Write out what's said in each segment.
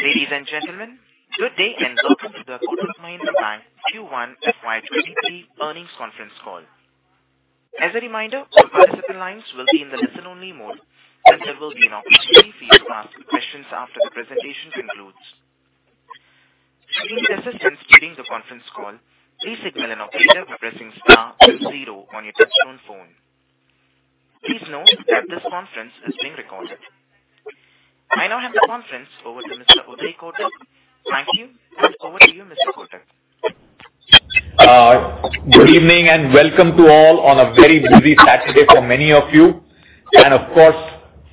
Ladies and gentlemen, good day and welcome to the Kotak Mahindra Bank Q1 FY 2023 Earnings Conference Call. As a reminder, all participant lines will be in the listen-only mode, and there will be an opportunity for you to ask questions after the presentation concludes. To gain assistance during the conference call, please signal an operator by pressing star zero on your touchtone phone. Please note that this conference is being recorded. I now hand the conference over to Mr. Uday Kotak. Thank you and over to you, Mr. Kotak. Good evening and welcome to all on a very busy Saturday for many of you, and of course,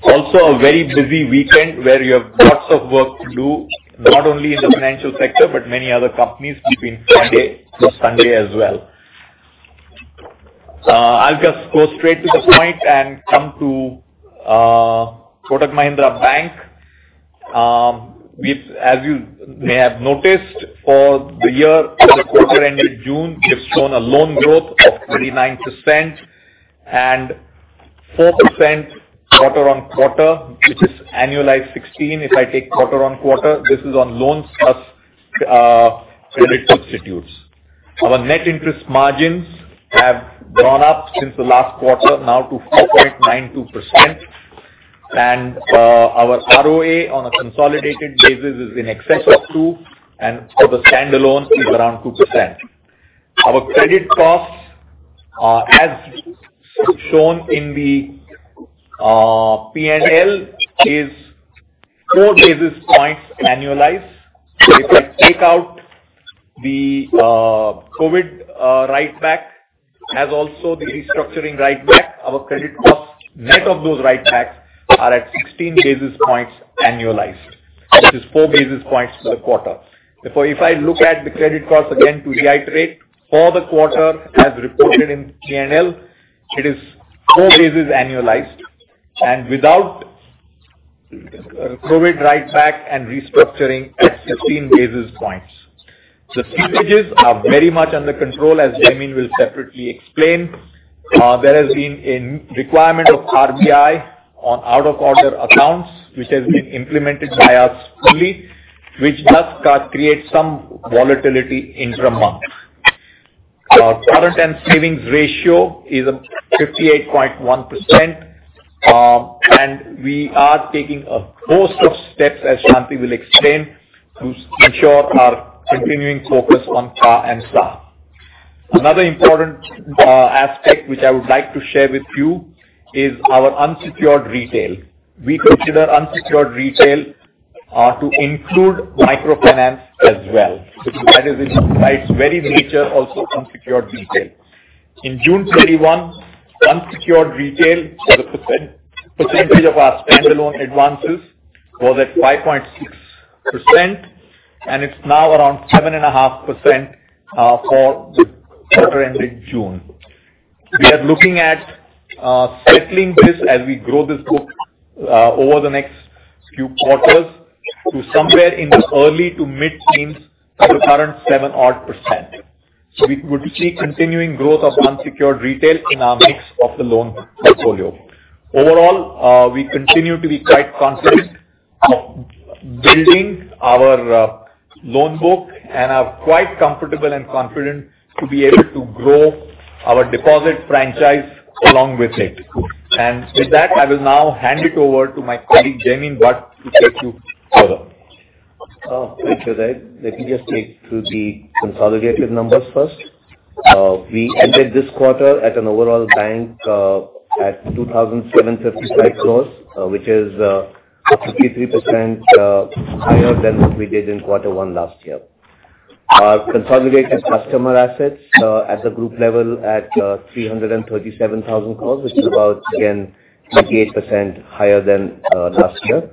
also a very busy weekend where you have lots of work to do, not only in the financial sector but many other companies between Friday to Sunday as well. I'll just go straight to the point and come to Kotak Mahindra Bank. As you may have noticed for the year and the quarter ending June, we have shown a loan growth of 39% and 4% quarter-on-quarter, which is annualized 16%. If I take quarter-on-quarter, this is on loans plus credit substitutes. Our net interest margins have gone up since the last quarter, now to 4.92%. Our ROA on a consolidated basis is in excess of 2%, and for the standalone is around 2%. Our credit costs, as shown in the P&L, is 4 basis points annualized. If I take out the COVID write back, as also the restructuring write back, our credit costs net of those write backs are at 16 basis points annualized, which is 4 basis points per quarter. Therefore, if I look at the credit costs again to reiterate, for the quarter as reported in P&L, it is 4 basis annualized and without COVID write back and restructuring at 16 basis points. The leakages are very much under control, as Jaimin will separately explain. There has been a requirement of RBI on out-of-order accounts, which has been implemented by us fully, which does co-create some volatility intra-month. Our current and savings ratio is at 58.1%. We are taking a host of steps, as Shanti will explain, to ensure our continuing focus on CA and SA. Another important aspect which I would like to share with you is our unsecured retail. We consider unsecured retail to include microfinance as well, because that is in its very nature also unsecured retail. In June 2021, unsecured retail for the percentage of our standalone advances was at 5.6%, and it's now around 7.5% for the quarter ending June. We are looking at scaling this as we grow this book over the next few quarters to somewhere in the early to mid-teens of the current seven-odd percent. We would see continuing growth of unsecured retail in our mix of the loan portfolio. Overall, we continue to be quite confident of building our loan book and are quite comfortable and confident to be able to grow our deposit franchise along with it. With that, I will now hand it over to my colleague, Jaimin Bhatt, to take you further. Thanks, Uday. Let me just take you through the consolidated numbers first. We ended this quarter at an overall bank at 2,755 crores, which is 53% higher than what we did in quarter one last year. Our consolidated customer assets at the group level at 337,000 crores, which is about, again, 28% higher than last year.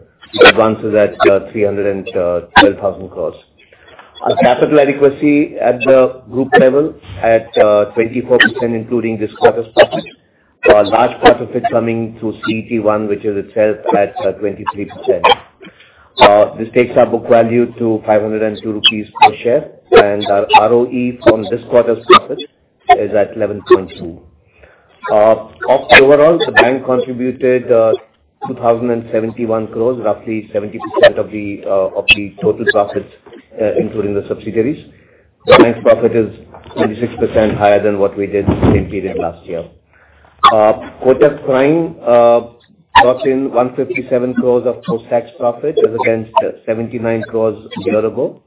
Advances at 312,000 crores. Our capital adequacy at the group level at 24%, including this quarter's profit. A large part of it coming through CET1, which is itself at 23%. This takes our book value to 502 rupees per share, and our ROE from this quarter's profits is at 11.2%. Overall, the bank contributed 2,071 crores, roughly 70% of the total profits, including the subsidiaries. The bank's profit is 26% higher than what we did in the same period last year. Kotak Prime brought in 157 crores of post-tax profit as against 79 crores a year ago.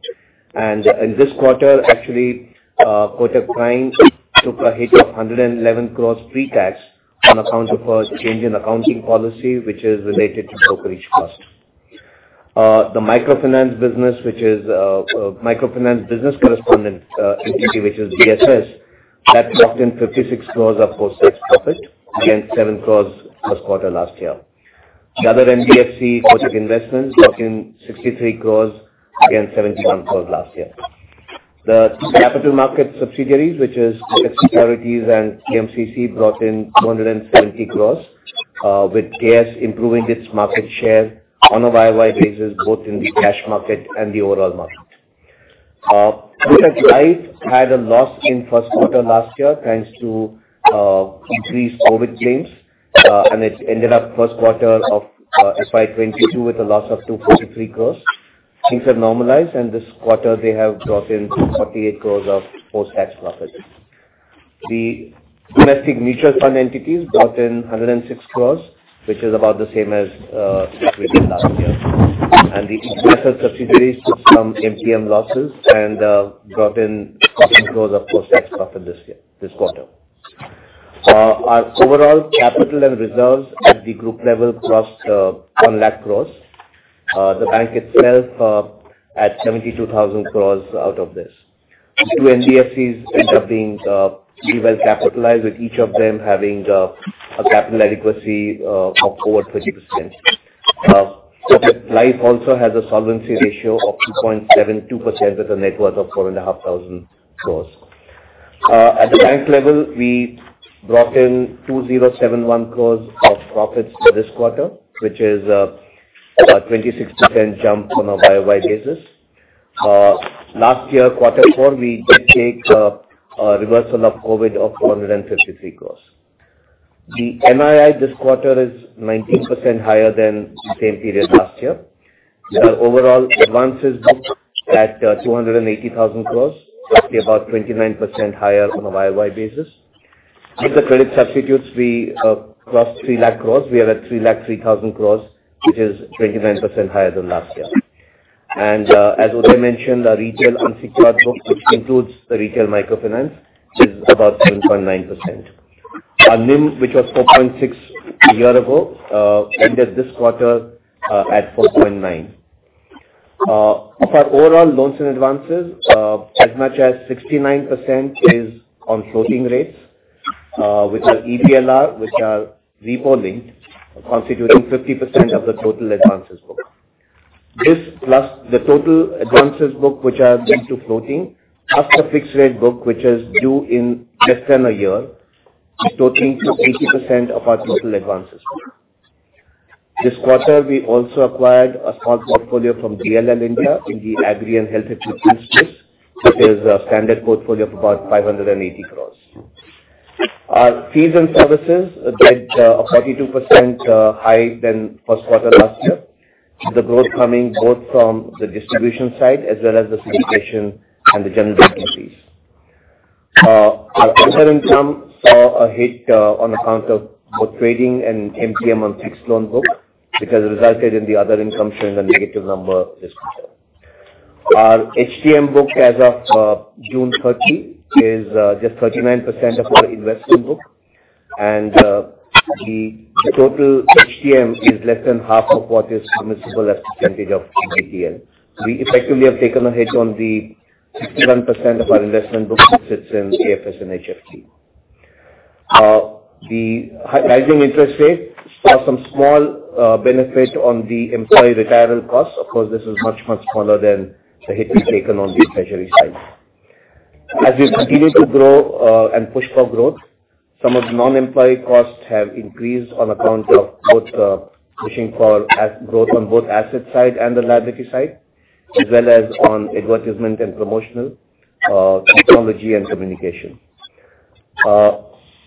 In this quarter, actually, Kotak Prime took a hit of 111 crores pre-tax on account of a change in accounting policy, which is related to brokerage costs. The microfinance business correspondent entity, which is BSS, had locked in 56 crores of post-tax profit against 7 crores first quarter last year. The other NBFC Kotak Investments brought in 63 crores against 71 crores last year. The capital market subsidiaries, which is Kotak Securities and KMCC, brought in 270 crores with KS improving its market share on a YOY basis both in the cash market and the overall market. We had life had a loss in first quarter last year, thanks to increased COVID claims, and it ended up first quarter of FY 2022 with a loss of 243 crores. Things have normalized, and this quarter they have brought in 48 crores of post-tax profits. The domestic mutual fund entities brought in 106 crores, which is about the same as last year. The investment subsidiaries took some MTM losses and brought in INR 60 crores of post-tax profit this year, this quarter. Our overall capital and reserves at the group level crossed 1,00,000 crores. The bank itself at 72,000 crores out of this. The two MDFCs end up being well capitalized, with each of them having a capital adequacy of over 30%. Life also has a solvency ratio of 2.72% with a net worth of 4,500 crores. At the bank level, we brought in 2,071 crores of profits this quarter, which is a 26% jump on a YOY basis. Last year, quarter four, we did take a reversal of COVID of 453 crores. The NII this quarter is 19% higher than the same period last year. Our overall advances book at 280,000 crores, roughly about 29% higher on a YOY basis. With the credit substitutes, we crossed 3 lakh crores. We are at 3,03,000 crore, which is 29% higher than last year. As Uday Kotak mentioned, our retail unsecured book, which includes the retail microfinance, is about 7.9%. Our NIM, which was 4.6 a year ago, ended this quarter at 4.9. Of our overall loans and advances, as much as 69% is on floating rates, which are EBLR, which are repo-linked, constituting 50% of the total advances book. This plus the total advances book, which are linked to floating, plus the fixed rate book, which is due in less than a year, is totaling to 80% of our total advances. This quarter, we also acquired a small portfolio from DLL India in the agri and health equipment space, which is a standard portfolio of about 580 crores. Our fees and services did a 32% higher than first quarter last year. The growth coming both from the distribution side as well as the syndication and the general business fees. Our other income saw a hit on account of both trading and MTM on fixed income book, which has resulted in the other income showing a negative number this quarter. Our HTM book as of June 30 is just 39% of our investment book. The total HTM is less than half of what is permissible as a percentage of NDTL. We effectively have taken a hit on the 61% of our investment book, which sits in AFS and HFT. The rising interest rates saw some small benefit on the employee retirement costs. Of course, this is much, much smaller than the hit we've taken on the treasury side. As we continue to grow and push for growth, some of the non-employee costs have increased on account of both pushing for growth on both asset side and the liability side, as well as on advertisement and promotional technology and communication.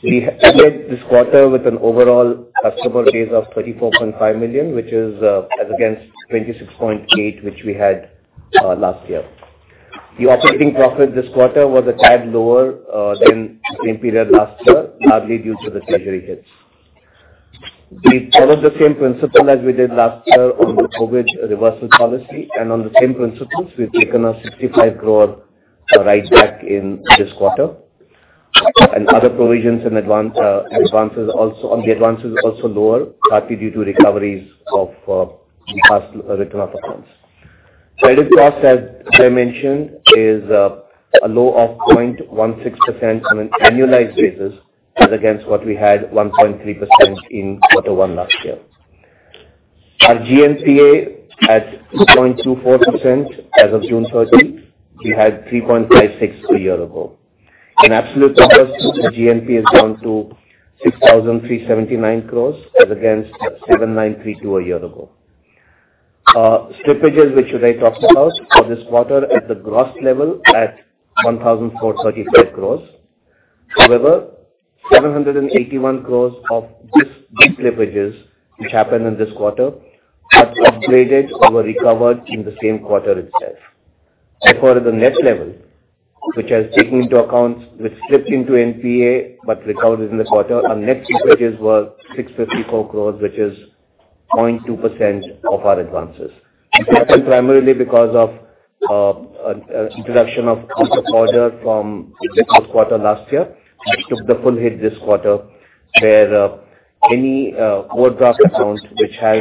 We ended this quarter with an overall customer base of 34.5 million, which is as against 26.8, which we had last year. The operating profit this quarter was a tad lower than the same period last year, partly due to the treasury hits. We followed the same principle as we did last year on the COVID reversal policy and on the same principles, we've taken a 65 crores write back in this quarter. Other provisions in advances also lower, partly due to recoveries of in past written-off accounts. Credit cost, as Uday mentioned, is a low of 0.16% on an annualized basis as against what we had, 1.3% in quarter one last year. Our GNPA at 0.24% as of June 30. We had 3.56% a year ago. In absolute terms, GNPA has gone to 6,379 crores as against 7,932 crores a year ago. Slippages, which Uday talked about for this quarter at the gross level at 1,435 crores. However, 781 crores of this slippages which happened in this quarter have upgraded or recovered in the same quarter itself. Therefore, the net level, which has taken into account, which slipped into NPA but recovered in the quarter, our net slippages were 654 crores, which is 0.2% of our advances. It happened primarily because of introduction of court's order from this quarter last year, which took the full hit this quarter, where any overdraft account which has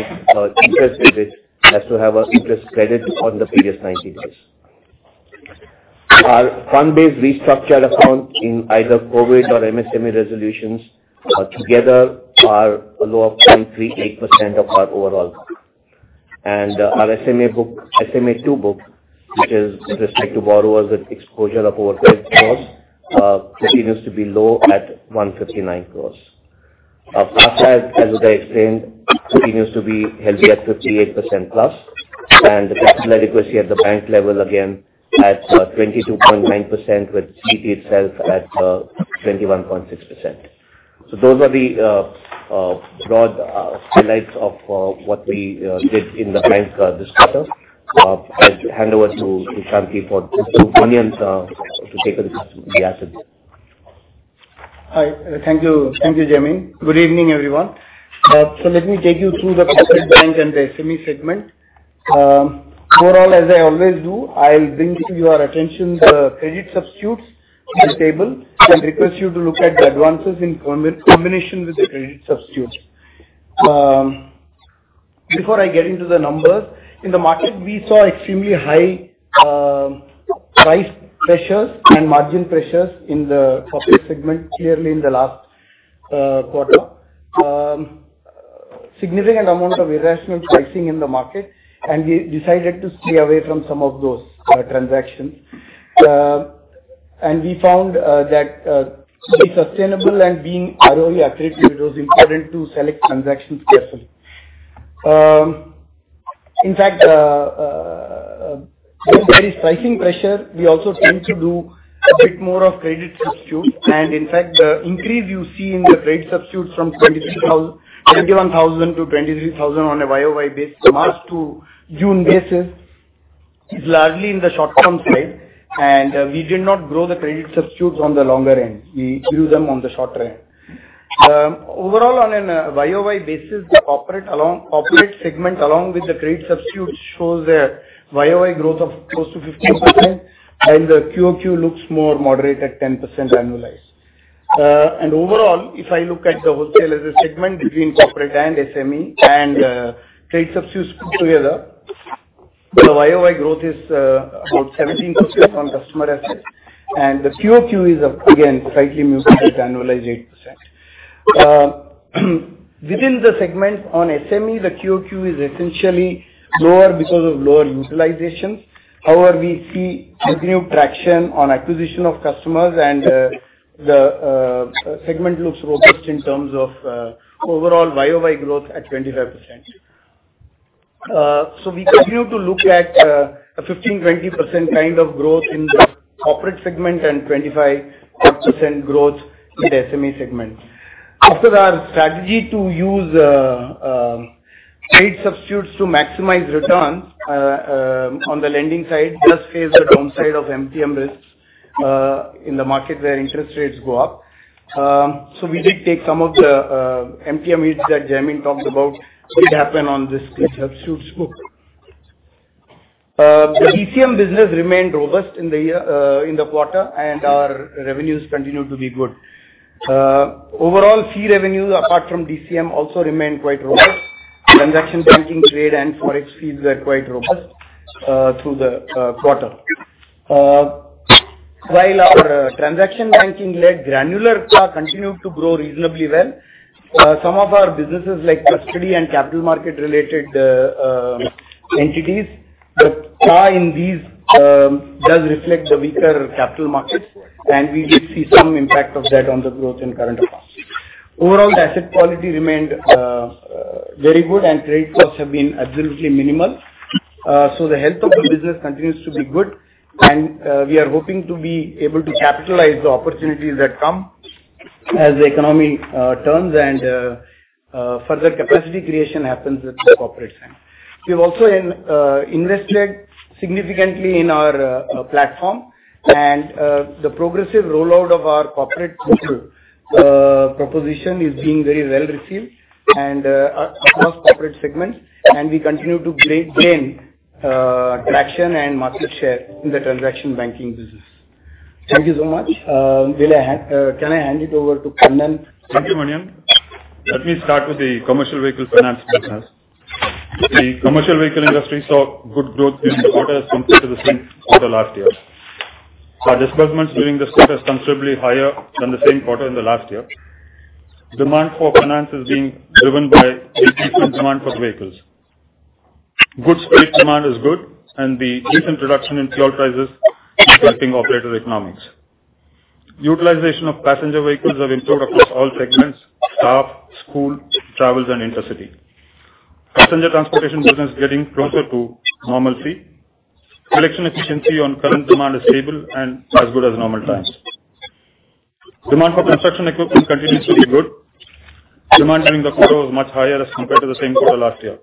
interest debit has to have an interest credit on the previous 90 days. Our fund-based restructured accounts in either COVID or MSME resolutions together are a low of 0.38% of our overall book. Our SMA book, SMA-2 book, which is with respect to borrowers with exposure of over 10 crores, continues to be low at 159 crores. As Uday explained, continues to be healthy at 58%+, and the capital adequacy at the bank level, again, at 22.9% with CET1 itself at 21.6%. Those are the broad highlights of what we did in the bank this quarter. I'll hand over to Shanti for operations to take on the assets. Hi. Thank you. Thank you, Jaimin. Good evening, everyone. Let me take you through the corporate bank and the SME segment. Overall, as I always do, I'll bring to your attention the credit substitutes in the table and request you to look at the advances in combination with the credit substitutes. Before I get into the numbers, in the market, we saw extremely high price pressures and margin pressures in the corporate segment, clearly in the last quarter. Significant amount of irrational pricing in the market, and we decided to stay away from some of those transactions. We found that to be sustainable and being ROE-accretive, it was important to select transactions carefully. In fact, despite pricing pressure, we also tend to do a bit more of credit substitutes. In fact, the increase you see in the trade substitutes from 21,000 to 23,000 on a YOY basis, March to June basis, is largely in the short-term side. We did not grow the credit substitutes on the longer end. We grew them on the shorter end. Overall, on a YOY basis, the corporate segment, along with the trade substitutes, shows a YOY growth of close to 15%, and the QOQ looks more moderate at 10% annualized. Overall, if I look at the wholesale as a segment between corporate and SME and trade substitutes put together, the YOY growth is about 17% on customer assets. The QOQ is again slightly muted at annualized 8%. Within the segment on SME, the QOQ is essentially lower because of lower utilizations. However, we see continued traction on acquisition of customers and the segment looks robust in terms of overall YOY growth at 25%. We continue to look at a 15%-20% kind of growth in the corporate segment and 25-odd% growth in the SME segment. After our strategy to use trade substitutes to maximize returns on the lending side does face the downside of MTM risks in the market where interest rates go up. We did take some of the MTM hits that Jaimin talked about. It happened on this trade substitutes book. The DCM business remained robust in the year, in the quarter, and our revenues continued to be good. Overall fee revenue, apart from DCM, also remained quite robust. Transaction banking trade and forex fees were quite robust through the quarter. While our transaction banking-led granular CA continued to grow reasonably well, some of our businesses like custody and capital market-related entities, the CA in these does reflect the weaker capital markets, and we did see some impact of that on the growth in current accounts. Overall, the asset quality remained very good and trade costs have been absolutely minimal. The health of the business continues to be good and, we are hoping to be able to capitalize the opportunities that come as the economy turns and further capacity creation happens with the corporate side. We've also invested significantly in our platform and the progressive rollout of our corporate digital proposition is being very well received across corporate segments, and we continue to gain traction and market share in the transaction banking business. Thank you so much. Can I hand it over to Kannan? Thank you, Manian. Let me start with the commercial vehicle finance business. The commercial vehicle industry saw good growth in the quarter as compared to the same quarter last year. Our disbursements during the quarter is considerably higher than the same quarter in the last year. Demand for finance is being driven by a decent demand for vehicles. Goods freight demand is good and the recent reduction in fuel prices is helping operator economics. Utilization of passenger vehicles have improved across all segments, staff, school, travels and intercity. Passenger transportation business is getting closer to normalcy. Collection efficiency on current demand is stable and as good as normal times. Demand for construction equipment continues to be good. Demand during the quarter was much higher as compared to the same quarter last year.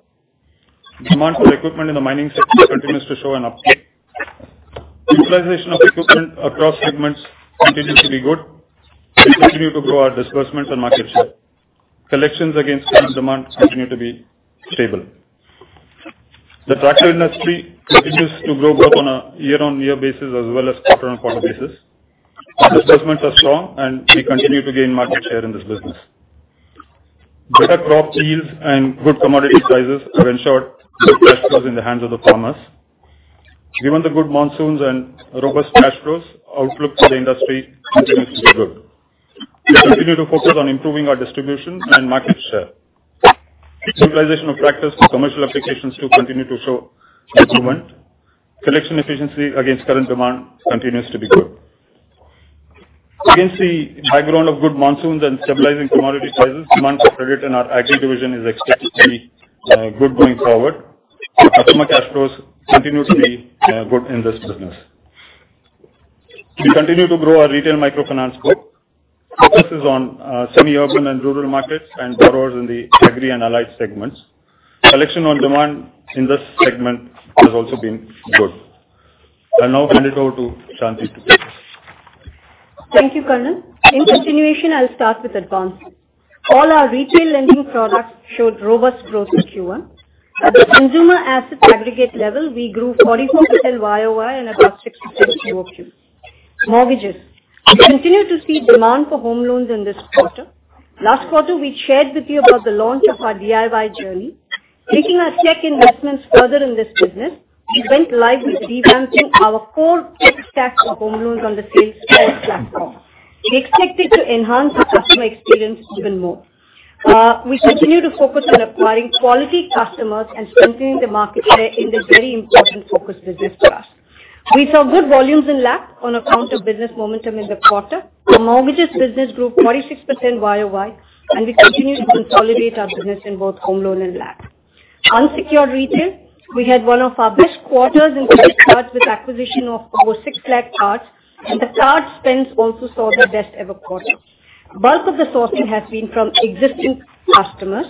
Demand for equipment in the mining sector continues to show an uptick. Utilization of equipment across segments continues to be good. We continue to grow our disbursements and market share. Collections against due demand continue to be stable. The tractor industry continues to grow both on a year-over-year basis as well as quarter-over-quarter basis. Our disbursements are strong and we continue to gain market share in this business. Better crop yields and good commodity prices have ensured good cash flows in the hands of the farmers. Given the good monsoons and robust cash flows, outlook for the industry continues to be good. We continue to focus on improving our distribution and market share. Simplification of practice for commercial applications to continue to show improvement. Collection efficiency against current demand continues to be good. Against the background of good monsoons and stabilizing commodity prices, demand for credit in our agri division is expected to be good going forward. Customer cash flows continue to be good in this business. We continue to grow our retail microfinance book. Focus is on semi-urban and rural markets and borrowers in the agri and allied segments. Collection on demand in this segment has also been good. I'll now hand it over to Shanti to take us. Thank you, Kannan. In continuation, I'll start with advances. All our retail lending products showed robust growth in Q1. At the consumer asset aggregate level, we grew 44% YOY and above 66% QOQ. Mortgages. We continue to see demand for home loans in this quarter. Last quarter, we shared with you about the launch of our DIY journey. Taking our tech investments further in this business, we went live with revamping our core tech stack for home loans on the Salesforce platform. We expect it to enhance the customer experience even more. We continue to focus on acquiring quality customers and strengthening the market share in this very important focus business for us. We saw good volumes in LAP on account of business momentum in the quarter. Our mortgages business grew 46% YOY, and we continue to consolidate our business in both home loan and LAP. Unsecured retail. We had one of our best quarters in credit cards with acquisition of over 6 lakh cards, and the card spends also saw the best ever quarter. Bulk of the sourcing has been from existing customers.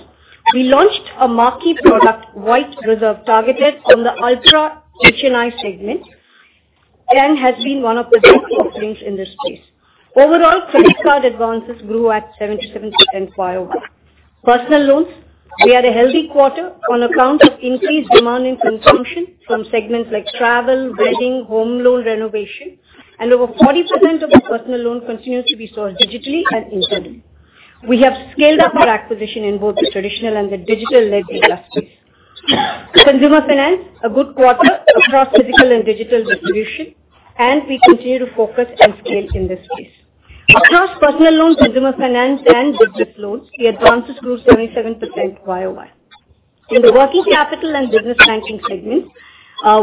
We launched a marquee product, White Reserve, targeted on the ultra HNI segment, and has been one of the best offerings in this space. Overall, credit card advances grew at 77% YOY. Personal loans. We had a healthy quarter on account of increased demand in consumption from segments like travel, wedding, home loan renovation, and over 40% of the personal loan continues to be sourced digitally and internally. We have scaled up our acquisition in both the traditional and the digital-led industries. Consumer finance, a good quarter across physical and digital distribution, and we continue to focus and scale in this space. Across personal loans, consumer finance, and business loans, the advances grew 77% YOY. In the working capital and business banking segments,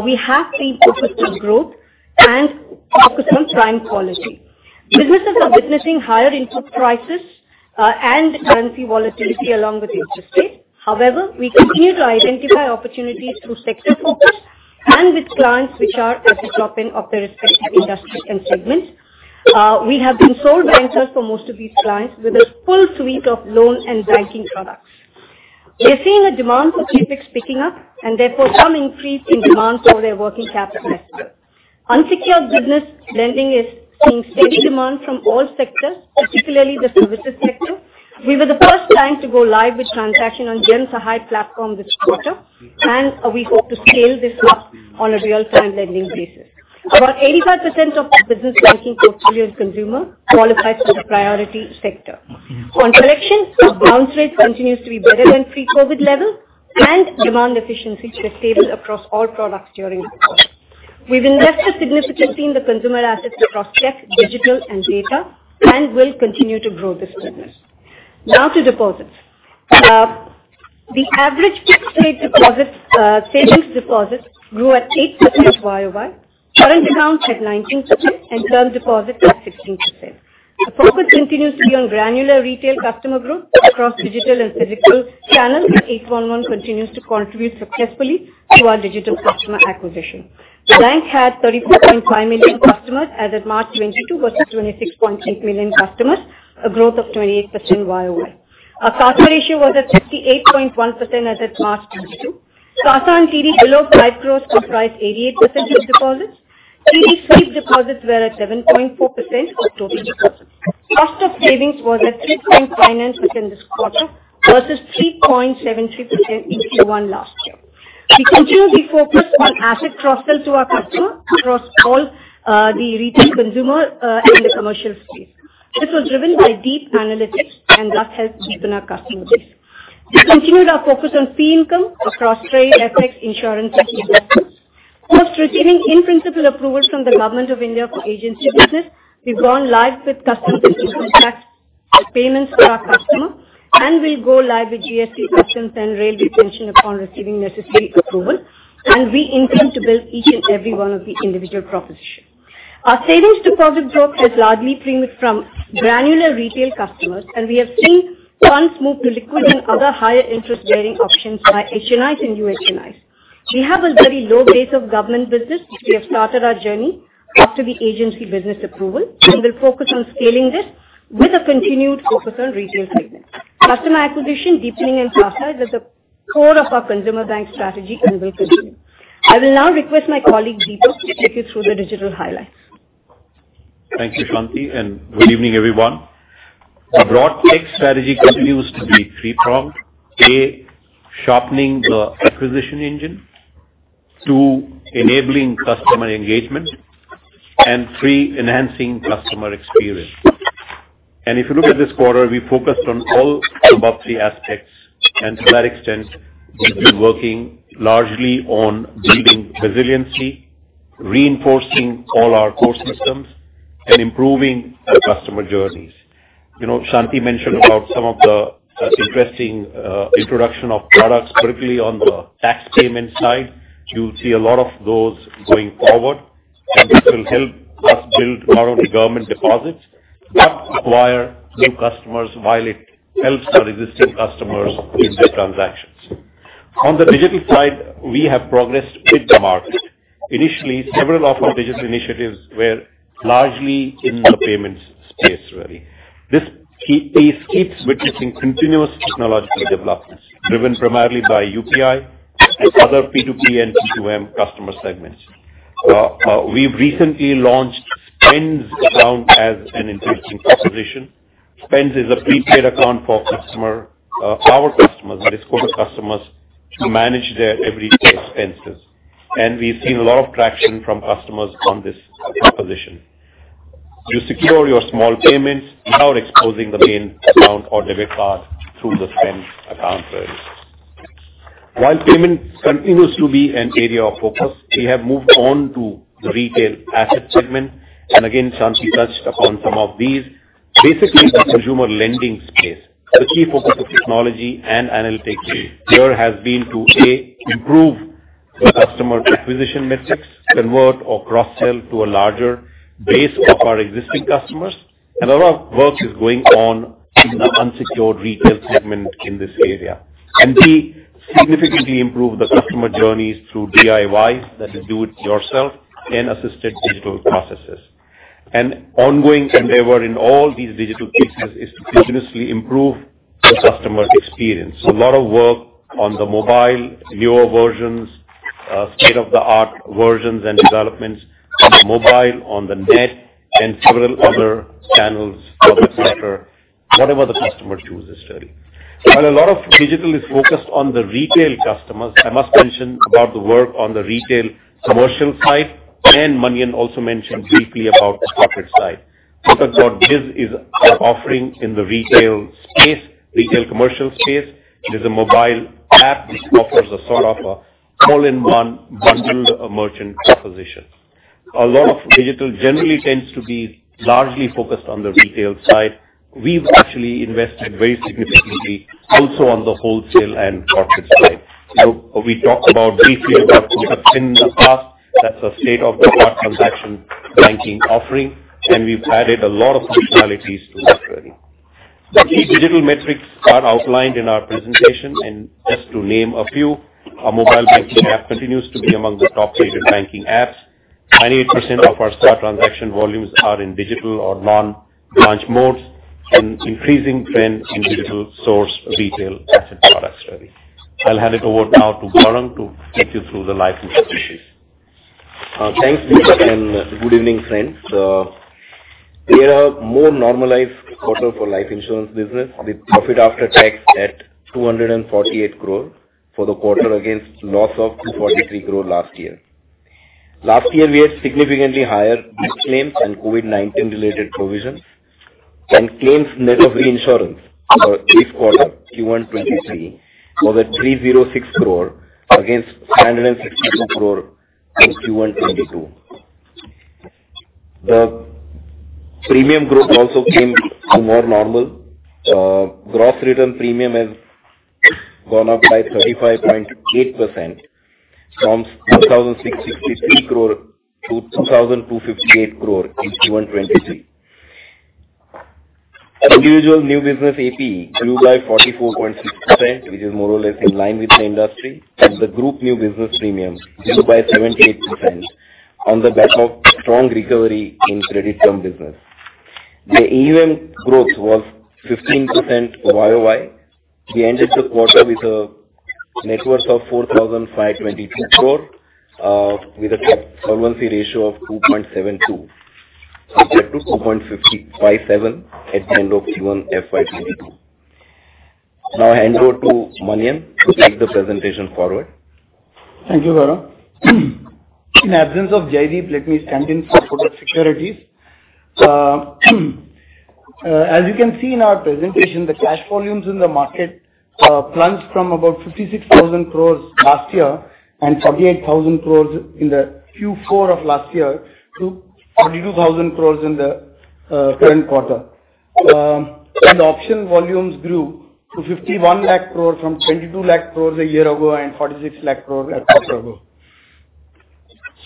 we have seen consistent growth and focus on prime quality. Businesses are witnessing higher input prices, and currency volatility along with interest rates. However, we continue to identify opportunities through sector focus and with clients which are at the top end of their respective industry and segments. We have been sole bankers for most of these clients with a full suite of loan and banking products. We are seeing a demand for CapEx picking up and therefore some increase in demand for their working capital needs. Unsecured business lending is seeing steady demand from all sectors, particularly the services sector. We were the first bank to go live with transaction on GeM Sahay platform this quarter, and we hope to scale this up on a real-time lending basis. About 85% of our business banking portfolio in consumer qualifies for the priority sector. On collections, our bounce rate continues to be better than pre-COVID levels and demand efficiency stayed stable across all products during the quarter. We've invested significantly in the consumer assets across tech, digital, and data and will continue to grow this business. Now to deposits. The average fixed rate deposits, savings deposits grew at 8% YOY, current accounts at 19%, and term deposits at 16%. The focus continues to be on granular retail customer growth across digital and physical channels, and 811 continues to contribute successfully to our digital customer acquisition. The bank had 34.5 million customers as of March 2022 versus 26.8 million customers, a growth of 28% YOY. Our SA ratio was at 58.1% as of March 2022. CASA and CD below the hike floors comprise 88% of deposits. CD sweep deposits were at 7.4% of total deposits. Cost of savings was at 3.5% this quarter versus 3.73% in Q1 last year. We continue to be focused on asset cross-sell to our customer across all, the retail consumer, and the commercial space. This was driven by deep analytics and thus helps deepen our customer base. We continued our focus on fee income across trade, FX, insurance, and key investments. After receiving in-principle approval from the Government of India for agency business, we've gone live with customs duty contract payments for our customers and will go live with GST, customs, and rail detention upon receiving necessary approval, and we intend to build each and every one of the individual propositions. Our savings deposit growth has largely stemmed from granular retail customers, and we have seen funds move to liquid and other higher interest-bearing options from HNIs and UHNIs. We have a very low base of government business since we have started our journey after the agency business approval, and we'll focus on scaling this with a continued focus on the retail segment. Customer acquisition, deepening, and CASA is at the core of our consumer bank strategy and will continue. I will now request my colleague, Dipak, to take you through the digital highlights. Thank you, Shanti, and good evening, everyone. Our broad tech strategy continues to be three-pronged. A, sharpening the acquisition engine. Two, enabling customer engagement. And three, enhancing customer experience. If you look at this quarter, we focused on all above three aspects, and to that extent, we've been working largely on building resiliency. Reinforcing all our core systems and improving the customer journeys. You know, Shanti mentioned about some of the interesting introduction of products, particularly on the tax payment side. You'll see a lot of those going forward, and this will help us build more of the government deposits, but acquire new customers while it helps our existing customers with their transactions. On the digital side, we have progressed with the market. Initially, several of our digital initiatives were largely in the payments space, really. This keeps witnessing continuous technological developments driven primarily by UPI and other P2P and P2M customer segments. We've recently launched Spend account as an interesting proposition. Spend is a prepaid account for our customers, Kotak customers, to manage their everyday expenses. We've seen a lot of traction from customers on this proposition. You secure your small payments without exposing the main account or debit card through the Spend account, really. While payment continues to be an area of focus, we have moved on to the retail asset segment. Again, Shanti touched upon some of these. Basically, the consumer lending space. The key focus of technology and analytics here has been to, A, improve the customer acquisition metrics, convert or cross-sell to a larger base of our existing customers. A lot of work is going on in the unsecured retail segment in this area. B, significantly improve the customer journeys through DIY, that is do it yourself, and assisted digital processes. An ongoing endeavor in all these digital pieces is to continuously improve the customer experience. A lot of work on the mobile, newer versions, state-of-the-art versions and developments on the mobile, on the net and several other channels, public sector, whatever the customer chooses, really. While a lot of digital is focused on the retail customers, I must mention about the work on the retail commercial side, and Manian also mentioned briefly about the corporate side. Kotak.biz is our offering in the retail space, retail commercial space. It is a mobile app which offers a sort of a all-in-one bundled merchant proposition. A lot of digital generally tends to be largely focused on the retail side. We've actually invested very significantly also on the wholesale and corporate side. You know, we talked briefly about Kotak Pin in the past. That's a state-of-the-art transaction banking offering, and we've added a lot of functionalities to that, really. The key digital metrics are outlined in our presentation, and just to name a few, our mobile banking app continues to be among the top-rated banking apps. 98% of our self transaction volumes are in digital or non-branch modes, an increasing trend in digital source retail asset products, really. I'll hand it over now to Mahesh Balasubramanian to take you through the life insurance business. Thanks, Dipak, and good evening, friends. We had a more normalized quarter for life insurance business with profit after tax at 248 crore for the quarter against loss of 243 crore last year. Last year, we had significantly higher death claims and COVID-19 related provisions and claims net of reinsurance for this quarter, Q1 2023, was at 306 crore against 562 crore in Q1 2022. The premium growth also came to more normal. Gross written premium has gone up by 35.8% from 2,663 crore to 2,258 crore in Q1 2023. Individual new business APE grew by 44.6%, which is more or less in line with the industry. The group new business premium grew by 78% on the back of strong recovery in credit term business. The AUM growth was 15% YOY. We ended the quarter with a net worth of 4,522 crore, with a capital solvency ratio of 2.72, compared to 2.557 at the end of Q1 FY 2022. I hand over to Manian to take the presentation forward. Thank you, Varun. In absence of Jaideep, let me stand in for Kotak Securities. As you can see in our presentation, the cash volumes in the market plunged from about 56,000 crores last year and 48,000 crores in the Q4 of last year to 42,000 crores in the current quarter. Option volumes grew to 51 lakh crore from 22 lakh crore a year ago and 46 lakh crore a quarter ago.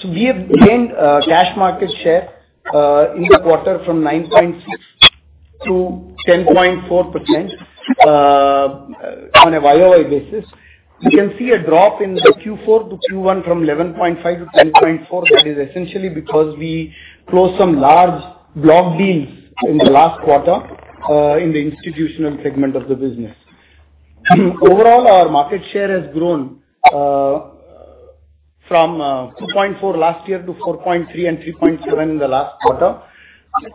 We have gained cash market share in the quarter from 9.6%-10.4% on a YOY basis. You can see a drop in the Q4 to Q1 from 11.5% to 10.4%. That is essentially because we closed some large block deals in the last quarter in the institutional segment of the business. Overall, our market share has grown from 2.4% last year to 4.3% and 3.7% in the last quarter.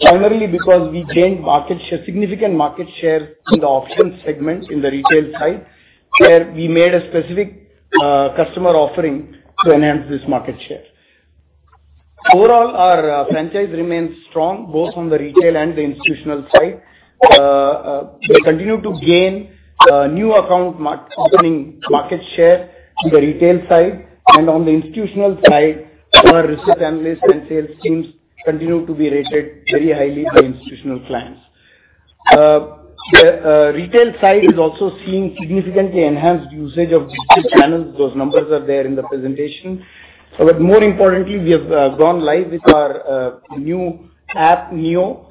Primarily because we gained market share, significant market share in the options segment in the retail side, where we made a specific customer offering to enhance this market share. Overall, our franchise remains strong, both on the retail and the institutional side. We continue to gain new account opening market share on the retail side and on the institutional side, our research analyst and sales teams continue to be rated very highly by institutional clients. Retail side is also seeing significantly enhanced usage of digital channels. Those numbers are there in the presentation. More importantly, we have gone live with our new app, Neo,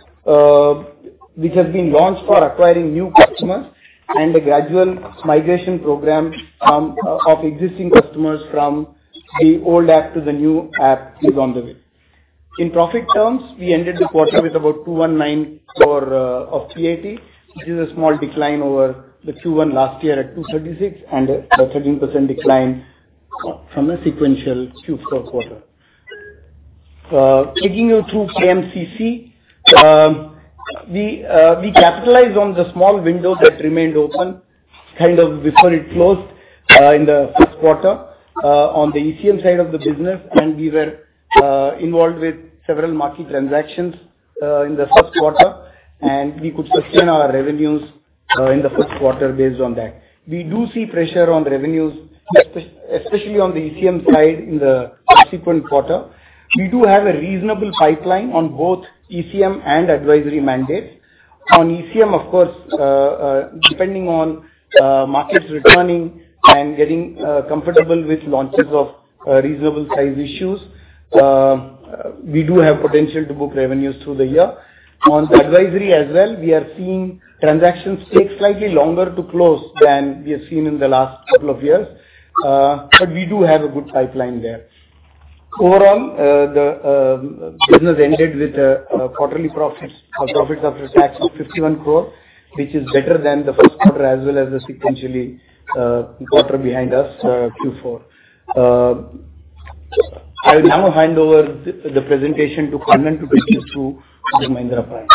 which has been launched for acquiring new customers and a gradual migration program from existing customers from the old app to the new app is on the way. In profit terms, we ended the quarter with about 219 crore of PAT, which is a small decline over the Q1 last year at 236 crore and a 13% decline from the sequential Q4 quarter. Taking you through CMCC. We capitalized on the small window that remained open kind of before it closed in the first quarter on the ECM side of the business. We were involved with several market transactions in the first quarter, and we could sustain our revenues in the first quarter based on that. We do see pressure on revenues especially on the ECM side in the subsequent quarter. We do have a reasonable pipeline on both ECM and advisory mandates. On ECM, of course, depending on markets returning and getting comfortable with launches of reasonable size issues, we do have potential to book revenues through the year. On advisory as well, we are seeing transactions take slightly longer to close than we have seen in the last couple of years. We do have a good pipeline there. Overall, the business ended with quarterly profits or profit after tax of 51 crore, which is better than the first quarter as well as the sequentially quarter behind us, Q4. I'll now hand over the presentation to Kannan to take us through Kotak Mahindra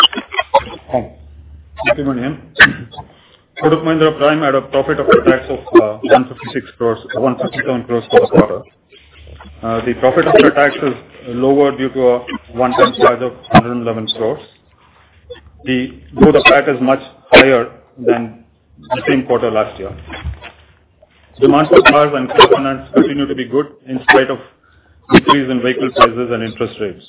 Prime. Thank you. Good morning. Kotak Mahindra Prime had a profit after tax of 156 crores, 157 crores for the quarter. The profit after tax is lower due to a one-time charge of 111 crores. The growth of PAT is much higher than the same quarter last year. Demand for cars and components continue to be good in spite of increase in vehicle prices and interest rates.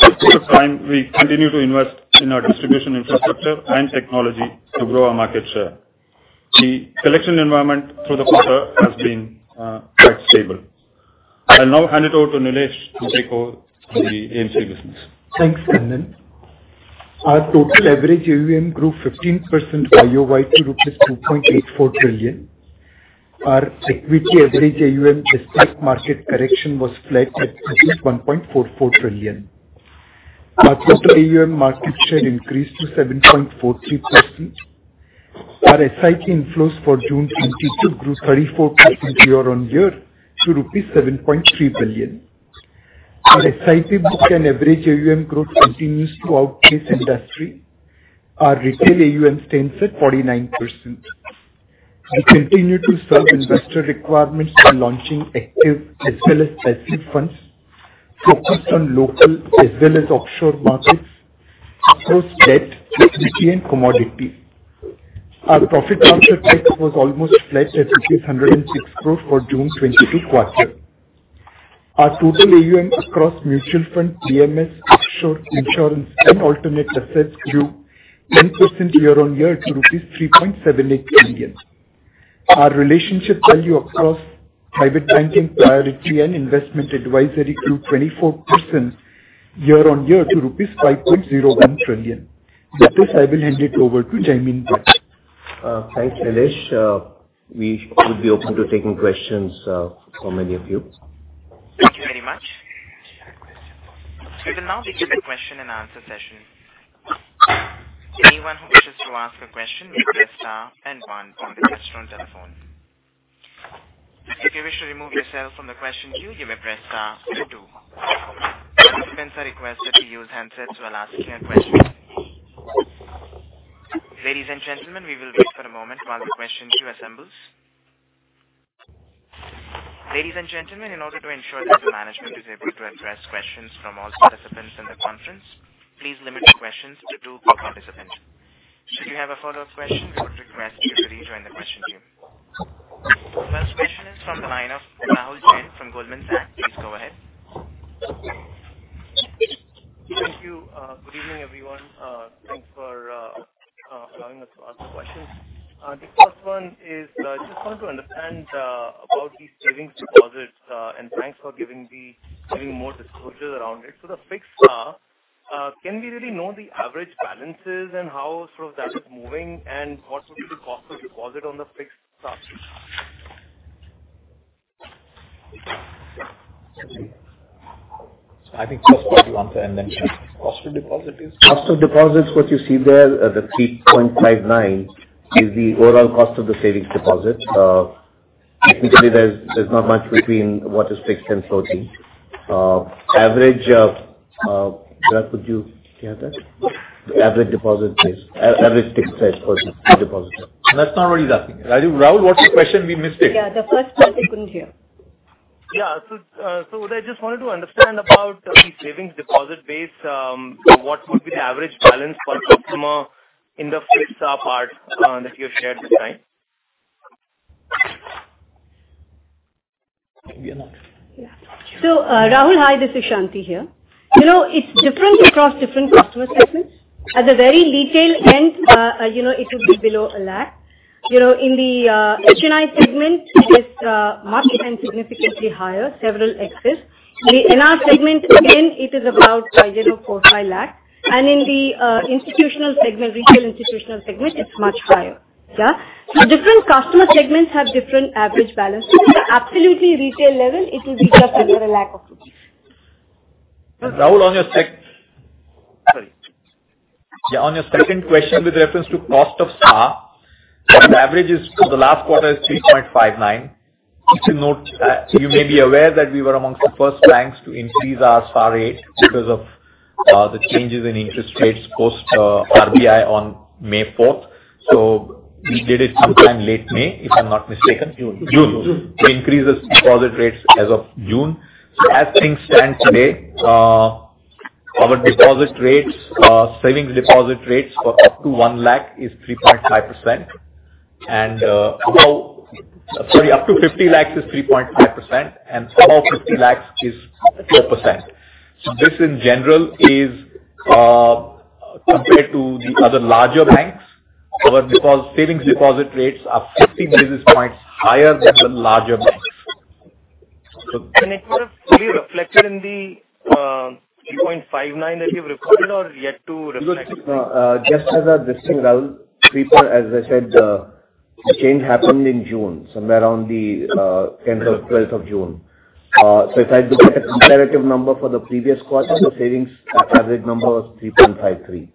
At Kotak Prime, we continue to invest in our distribution infrastructure and technology to grow our market share. The collection environment through the quarter has been quite stable. I'll now hand it over to Nilesh to take over the AMC business. Thanks, Kannan. Our total average AUM grew 15% YOY to rupees 2.84 trillion. Our equity average AUM despite market correction was flat at rupees 1.44 trillion. Our total AUM market share increased to 7.43%. Our SIP inflows for June 2022 grew 34% year-on-year to rupees 7.3 billion. Our SIP book and average AUM growth continues to outpace industry. Our retail AUM stands at 49%. We continue to serve investor requirements by launching active as well as passive funds, focused on local as well as offshore markets across debt, equity and commodity. Our profit before tax was almost flat at 106 crores for June 2022 quarter. Our total AUM across mutual fund, PMS, offshore insurance and alternate assets grew 10% year-on-year to rupees 3.78 trillion. Our relationship value across private banking, priority and investment advisory grew 24% year-on-year to rupees 5.01 trillion. With this, I will hand it over to Jaimin Bhatt. Thanks, Nilesh. We would be open to taking questions from any of you. Thank you very much. We will now begin the question and answer session. Anyone who wishes to ask a question may press star and one on their telephone. If you wish to remove yourself from the question queue, you may press star two. Participants are requested to use handsets while asking a question. Ladies and gentlemen, we will wait for a moment while the question queue assembles. Ladies and gentlemen, in order to ensure that the management is able to address questions from all participants in the conference, please limit your questions to two per participant. Should you have a follow-up question, we would request you to rejoin the question queue. First question is from the line of Rahul Jain from Goldman Sachs. Please go ahead. Thank you. Good evening, everyone. Thanks for allowing us to ask the questions. The first one is, just wanted to understand about these savings deposits, and thanks for giving more disclosures around it. The fixed, SA, can we really know the average balances and how sort of that is moving and what would be the cost of deposit on the fixed [SA]? Cost of deposit is. Cost of deposits, what you see there, the 3.59% is the overall cost of the savings deposits. Technically there's not much between what is fixed and floating. Sir, could you share that? The average deposit base. Average fixed deposit. That's not what he's asking. Rahul, what's the question we missed here? Yeah, the first one we couldn't hear. I just wanted to understand about the savings deposit base. What would be the average balance per customer in the fixed SA part that you have shared this time? Rahul, hi, this is Shanti here. You know, it's different across different customer segments. At the very retail end, you know, it would be below 1 lakh. You know, in the HNI segment, it is much and significantly higher, several lakhs. In the NR segment, again, it is about 5.045 lakh. In the institutional segment, retail institutional segment, it's much higher. Different customer segments have different average balances. At the absolutely retail level, it will be just under INR 1 lakh roughly. Rahul, on your second question with reference to cost of SA, the average for the last quarter is 3.59%. You should note, you may be aware that we were amongst the first banks to increase our SA rate because of the changes in interest rates post RBI on May 4th. We did it sometime late May, if I'm not mistaken. June. To increase the deposit rates as of June. As things stand today, our deposit rates, savings deposit rates for up to 1 lakh is 3.5%. Up to 50 lakhs is 3.5%, and above 50 lakhs is 4%. This in general is, compared to the other larger banks, our savings deposit rates are 50 basis points higher than the larger banks. It would have fully reflected in the 3.59% that you've recorded or yet to reflect? Just as a distinction, Rahul, as I said, the change happened in June, somewhere around the tenth or twelfth of June. If I had to get a comparative number for the previous quarter, the savings average number was 3.53%.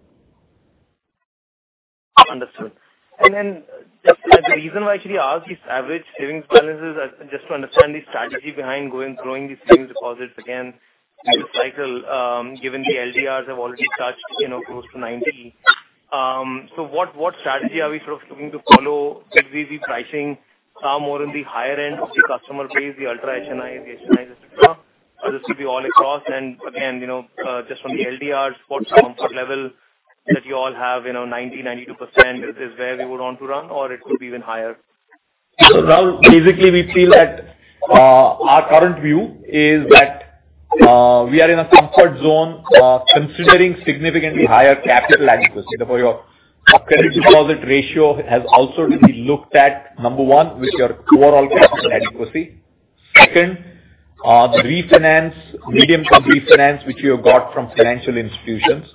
Understood. Just the reason why I actually asked these average savings balances is just to understand the strategy behind growing these savings deposits again in the cycle, given the LDRs have already touched, you know, close to 90. What strategy are we sort of looking to follow? Can we be pricing more on the higher end of the customer base, the ultra HNI, the HNI, et cetera? Or this will be all across and again, you know, just from the LDRs, what's the comfort level that you all have? You know, 90%-92% is where we want to run or it could be even higher. Rahul, basically we feel that our current view is that we are in a comfort zone, considering significantly higher capital adequacy. Therefore, your credit deposit ratio has also to be looked at, number one, with your overall capital adequacy. Second, the refinance, medium-term refinance, which you have got from financial institutions.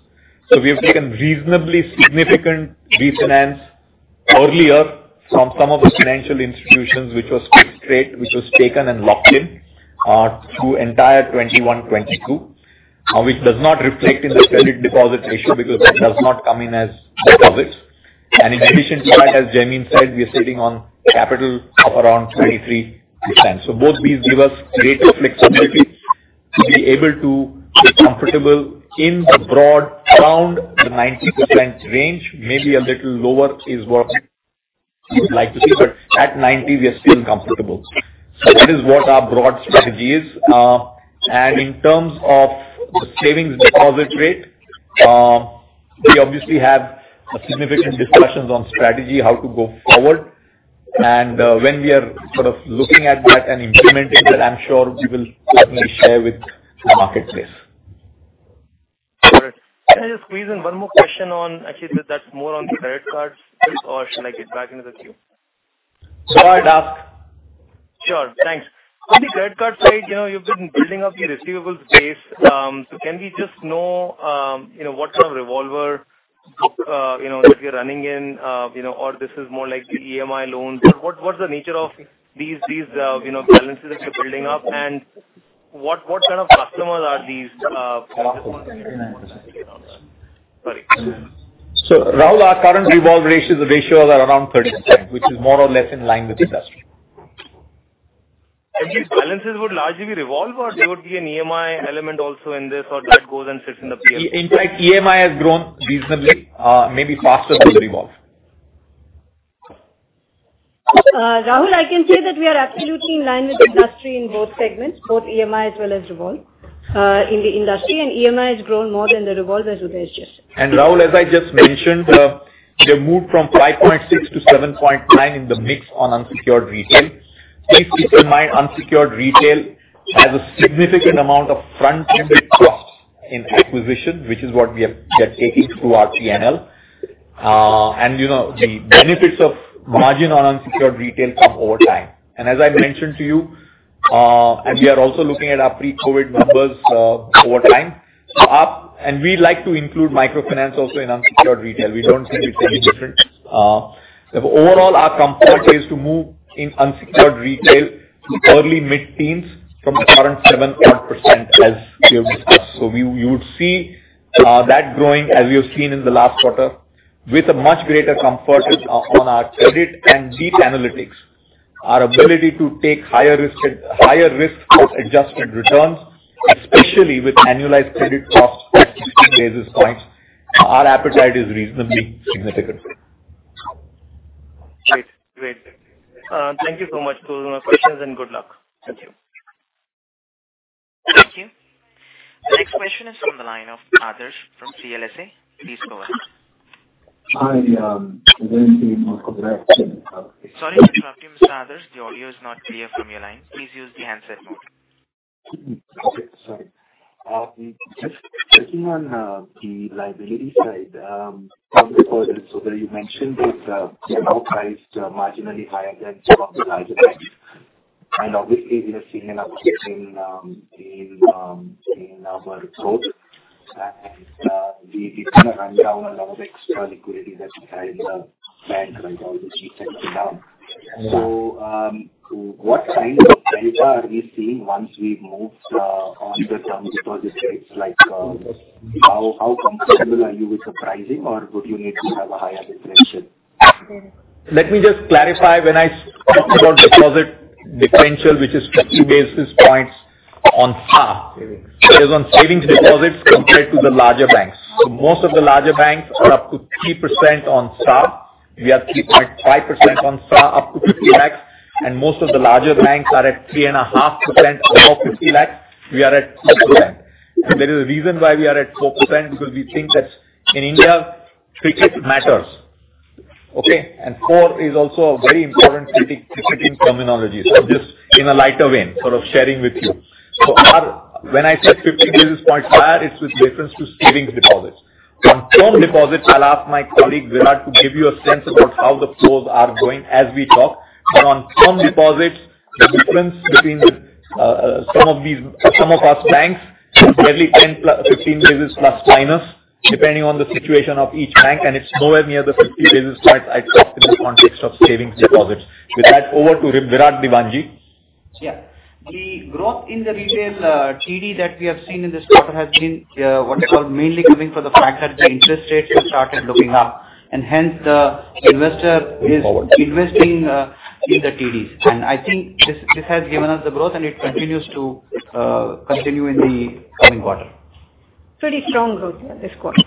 We have taken reasonably significant refinance earlier from some of the financial institutions, which was fixed rate, which was taken and locked in through entire 2021, 2022. Which does not reflect in the credit deposit ratio because that does not come in as deposits. In addition to that, as Jaimin said, we are sitting on capital of around 23%. Both these give us greater flexibility to be able to be comfortable in the broad, around the 90% range. Maybe a little lower is what we would like to see, but at 90 we are still comfortable. That is what our broad strategy is. In terms of the savings deposit rate, we obviously have significant discussions on strategy, how to go forward. When we are sort of looking at that and implementing that, I'm sure we will certainly share with the marketplace. Got it. Can I just squeeze in one more question on, actually that's more on the credit cards bit, or should I get back into the queue? Go ahead, ask. Sure. Thanks. On the credit card side, you know, you've been building up your receivables base. Can we just know, you know, what sort of revolver, you know, that you're running in, you know, or this is more like the EMI loans. What's the nature of these balances that you're building up and what sort of customers are these on that? Sorry. Rahul, our current revolving ratios, the ratios are around 30%, which is more or less in line with industry. These balances would largely be revolving or there would be an EMI element also in this, or that goes and sits in the PMF? In fact, EMI has grown reasonably, maybe faster than revolve. Rahul, I can say that we are absolutely in line with industry in both segments, both EMI as well as revolve, in the industry. EMI has grown more than the revolve, as Uday just said. Rahul, as I just mentioned, we have moved from 5.6% to 7.9% in the mix on unsecured retail. Please keep in mind, unsecured retail has a significant amount of front-ended costs in acquisition, which is what we have, we are taking through our P&L. You know, the benefits of margin on unsecured retail come over time. As I mentioned to you, and we are also looking at our pre-COVID numbers, over time. We like to include microfinance also in unsecured retail. We don't see it any different. Overall, our comfort is to move in unsecured retail to early mid-teens from the current 7-odd%, as we have discussed. You would see that growing as we have seen in the last quarter with a much greater comfort on our credit and deep analytics. Our ability to take higher risk for adjusted returns, especially with annualized credit costs at 15 basis points. Our appetite is reasonably significant. Great. Thank you so much for the questions, and good luck. Thank you. Thank you. The next question is from the line of Aatash from CLSA. Please go ahead. Hi. Sorry to interrupt you, Mr. Aatash. The audio is not clear from your line. Please use the handset mode. Okay. Sorry. Just checking on the liability side, so that you mentioned it, now priced marginally higher than some of the larger banks. Obviously we are seeing an uptick in our growth. We give a rundown on all the extra liquidity that we had in the bank right now. What kind of delta are we seeing once we've moved on the term deposit rates? Like, how comfortable are you with the pricing or would you need to have a higher differential? Let me just clarify. When I talked about deposit differential, which is 50 basis points on SA. It is on savings deposits compared to the larger banks. Most of the larger banks are up to 3% on SA. We are 3.5% on SA, up to 50 lakhs. Most of the larger banks are at 3.5% above 50 lakhs. We are at 4%. There is a reason why we are at 4%, because we think that in India, cricket matters. Okay. Four is also a very important cricketing terminology. Just in a lighter vein, sort of sharing with you. When I said 50 basis points higher, it's with reference to savings deposits. From term deposits, I'll ask my colleague, Virat, to give you a sense about how the flows are going as we talk. On term deposits, the difference between some of these banks is barely 10-15 basis points plus minus, depending on the situation of each bank, and it's nowhere near the 50 basis points I talked in the context of savings deposits. With that, over to Virat Diwanji. Yeah. The growth in the retail TD that we have seen in this quarter has been what you call mainly coming from the fact that the interest rates have started moving up, and hence the investor is investing in the TDs. I think this has given us the growth and it continues to continue in the coming quarter. Pretty strong growth this quarter.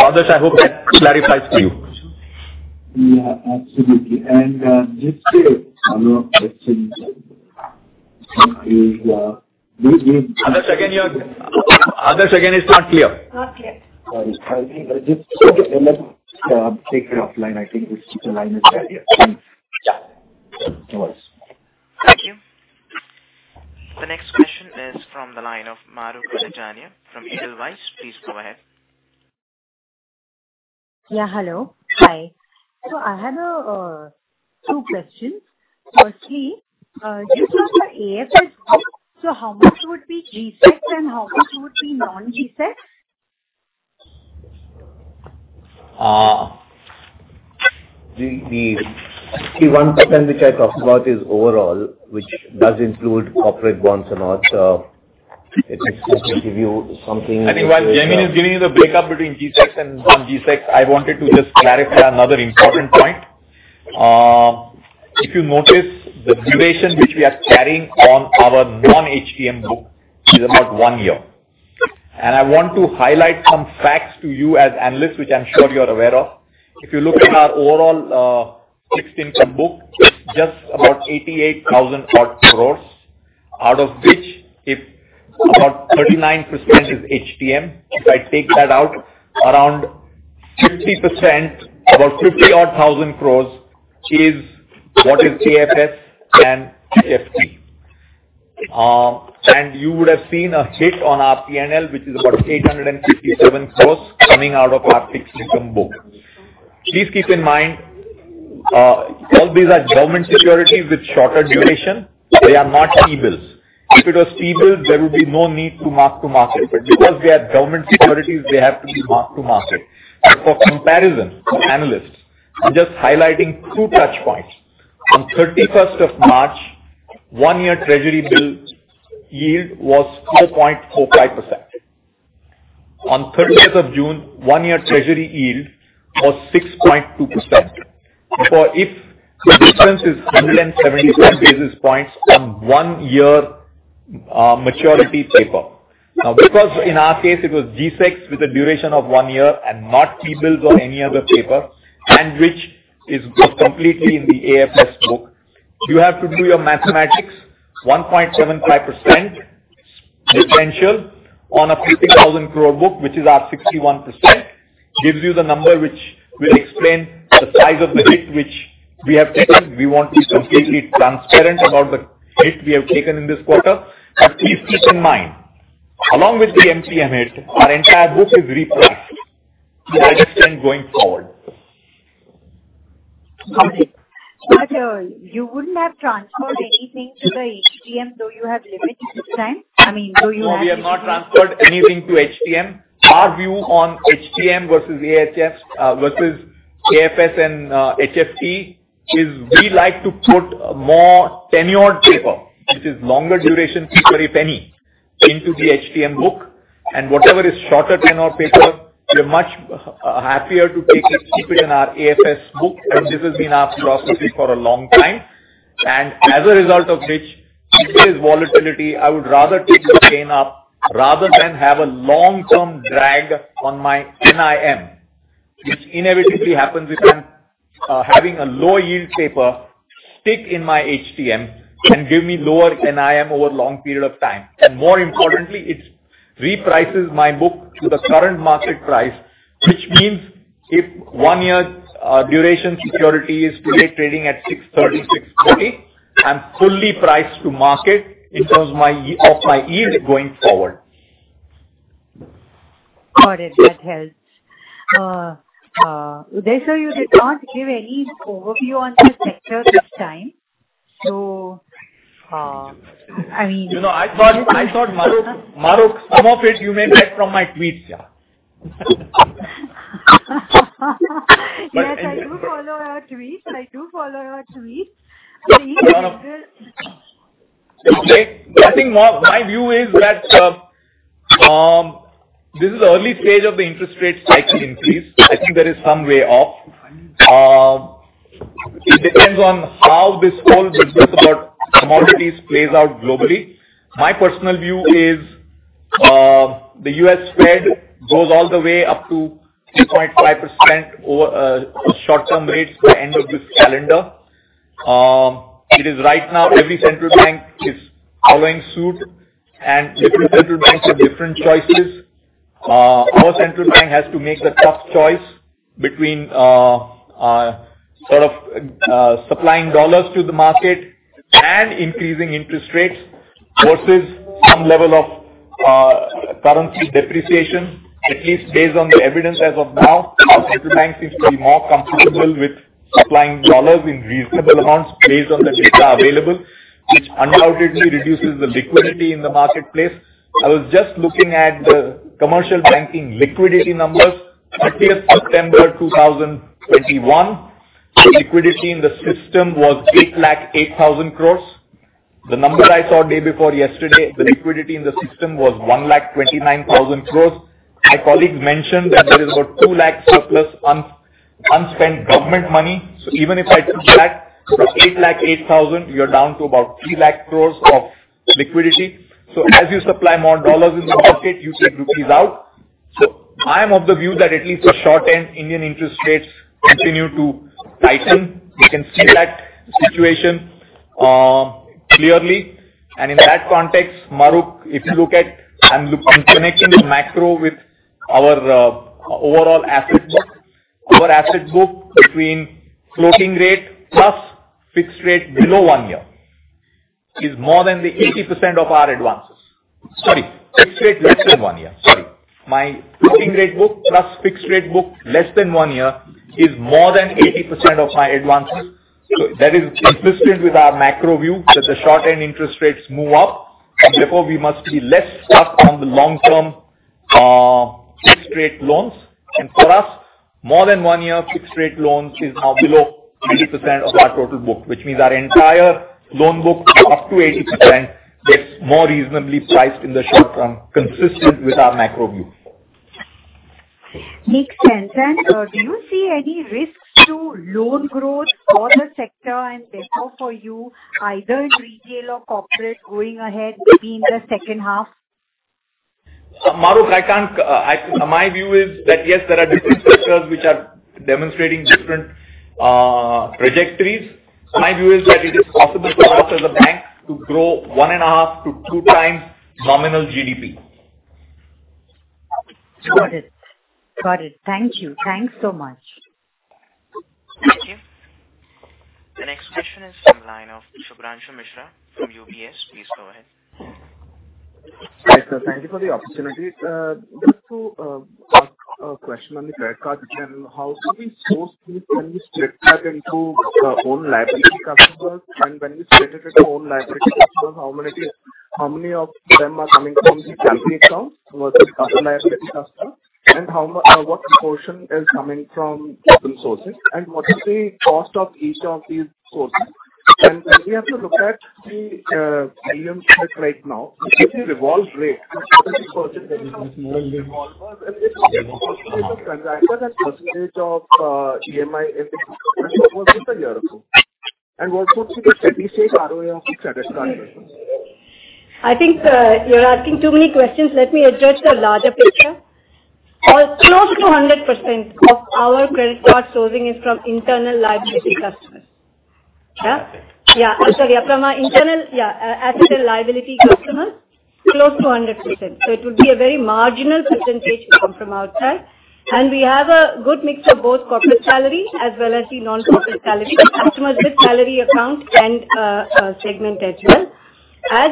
Aatash, I hope that clarifies for you. Yeah, absolutely. Just one more question is, do you- Aatash, again, it's not clear. Not clear. Sorry. Can we just. Let's take it offline. I think this line is not clear. No worries. Thank you. The next question is from the line of Mahrukh Adajania from Edelweiss. Please go ahead. Yeah. Hello. Hi. I had two questions. Firstly, just on the AFS book, so how much would be G-sec and how much would be non-G-sec? The 61% which I talked about is overall, which does include corporate bonds and all. Let me just give you something. I think while Jaimin Bhatt is giving you the breakup between G-sec and non-G-sec, I wanted to just clarify another important point. If you notice the duration which we are carrying on our non-HTM book is about one year. I want to highlight some facts to you as analysts, which I'm sure you're aware of. If you look at our overall, fixed income book, just about 88,000 crore odd, out of which if about 39% is HTM. If I take that out, around 50%, about 50,000 crore odd is what is AFS and HFT. You would have seen a hit on our P&L, which is about 857 crore coming out of our fixed income book. Please keep in mind, all these are government securities with shorter duration. They are not T-bills. If it was T-bills, there would be no need to mark-to-market. Because they are government securities, they have to be mark-to-market. For comparison, analysts, I'm just highlighting two touch points. On thirty-first of March, one-year treasury bill yield was 2.45%. On thirtieth of June, one-year treasury yield was 6.2%. If the difference is 177 basis points on one-year maturity paper. Now because in our case it was G-sec with a duration of one year and not T-bills or any other paper, and which was completely in the AFS book, you have to do your mathematics. 1.75% differential on a 50,000 crore book, which is our 61%, gives you the number which will explain the size of the hit which we have taken. We want to be completely transparent about the hit we have taken in this quarter. Please keep in mind, along with the MTM hit, our entire book is repriced to adjust and going forward. Got it. You wouldn't have transferred anything to the HTM, though you had limits this time? No, we have not transferred anything to HTM. Our view on HTM versus AFS and HFT is we like to put more tenured paper, which is longer duration treasury paper into the HTM book. Whatever is shorter tenure paper, we are much happier to take it, keep it in our AFS book. This has been our philosophy for a long time. As a result of which, if there is volatility, I would rather take the pain rather than have a long-term drag on my NIM, which inevitably happens if I'm having a low yield paper stick in my HTM and give me lower NIM over a long period of time. More importantly, it reprices my book to the current market price, which means if one year duration security is today trading at 6.30%-6.40%, I'm fully priced to market in terms of my yield going forward. Got it. That helps. Uday, sir, you did not give any overview on the sector this time. I mean. You know I thought, Mahrukh, some of it you may get from my tweets, yeah. Yes, I do follow your tweets. I think that this. Look, Mahrukh, my view is that this is early stage of the interest rate cycle increase. I think there is some way off. It depends on how this whole business about commodities plays out globally. My personal view is the US Fed goes all the way up to 2.5% over short-term rates by end of this calendar. It is right now every central bank is following suit and different central banks have different choices. Our central bank has to make the tough choice between sort of supplying dollars to the market and increasing interest rates versus some level of currency depreciation. At least based on the evidence as of now, our central bank seems to be more comfortable with supplying dollars in reasonable amounts based on the data available, which undoubtedly reduces the liquidity in the marketplace. I was just looking at the commercial banking liquidity numbers. September 30th, 2021, the liquidity in the system was 808,000 crores. The number I saw day before yesterday, the liquidity in the system was 129,000 crores. My colleague mentioned that there is about 200,000 crore surplus unspent government money. Even if I take back the 808,000 crore, you're down to about 300,000 crore of liquidity. As you supply more dollars in the market, you take rupees out. I am of the view that at least for short-term, Indian interest rates continue to tighten. We can see that situation clearly. In that context, Mahrukh, if you look at and look in connection with macro with our overall asset book. My floating rate book plus fixed rate book less than one year is more than 80% of my advances. That is consistent with our macro view that the short-term interest rates move up and therefore we must be less stuck on the long-term fixed rate loans. For us, more than one-year fixed rate loans is now below 80% of our total book, which means our entire loan book up to 80% gets more reasonably priced in the short term, consistent with our macro view. Makes sense. Do you see any risks to loan growth for the sector and therefore for you, either in retail or corporate going ahead, maybe in the second half? Mahrukh, my view is that, yes, there are different sectors which are demonstrating different trajectories. My view is that it is possible for us as a bank to grow 1.5-2 times nominal GDP. Got it. Thank you. Thanks so much. Thank you. The next question is from the line of Shubhranshu Mishra from UBS. Please go ahead. Yes, sir. Thank you for the opportunity. Just to ask a question on the credit card. How do we source these when we straight cut into own liability customers? When we straight cut into own liability customers, how many of them are coming from the salary account versus customer liability customer? What portion is coming from different sources? What is the cost of each of these sources? When we have to look at the PM set right now, if you revolve rate percentage of EMI as it was over a year ago. What would be the steady state ROA of the credit card business? I think, you're asking too many questions. Let me address the larger picture. Close to 100% of our credit card sourcing is from internal liability customers. Yeah? From our internal asset and liability customers, close to 100%. So it would be a very marginal percentage to come from outside. We have a good mix of both corporate salary as well as the non-corporate salary. The customers with salary account and segment as well. As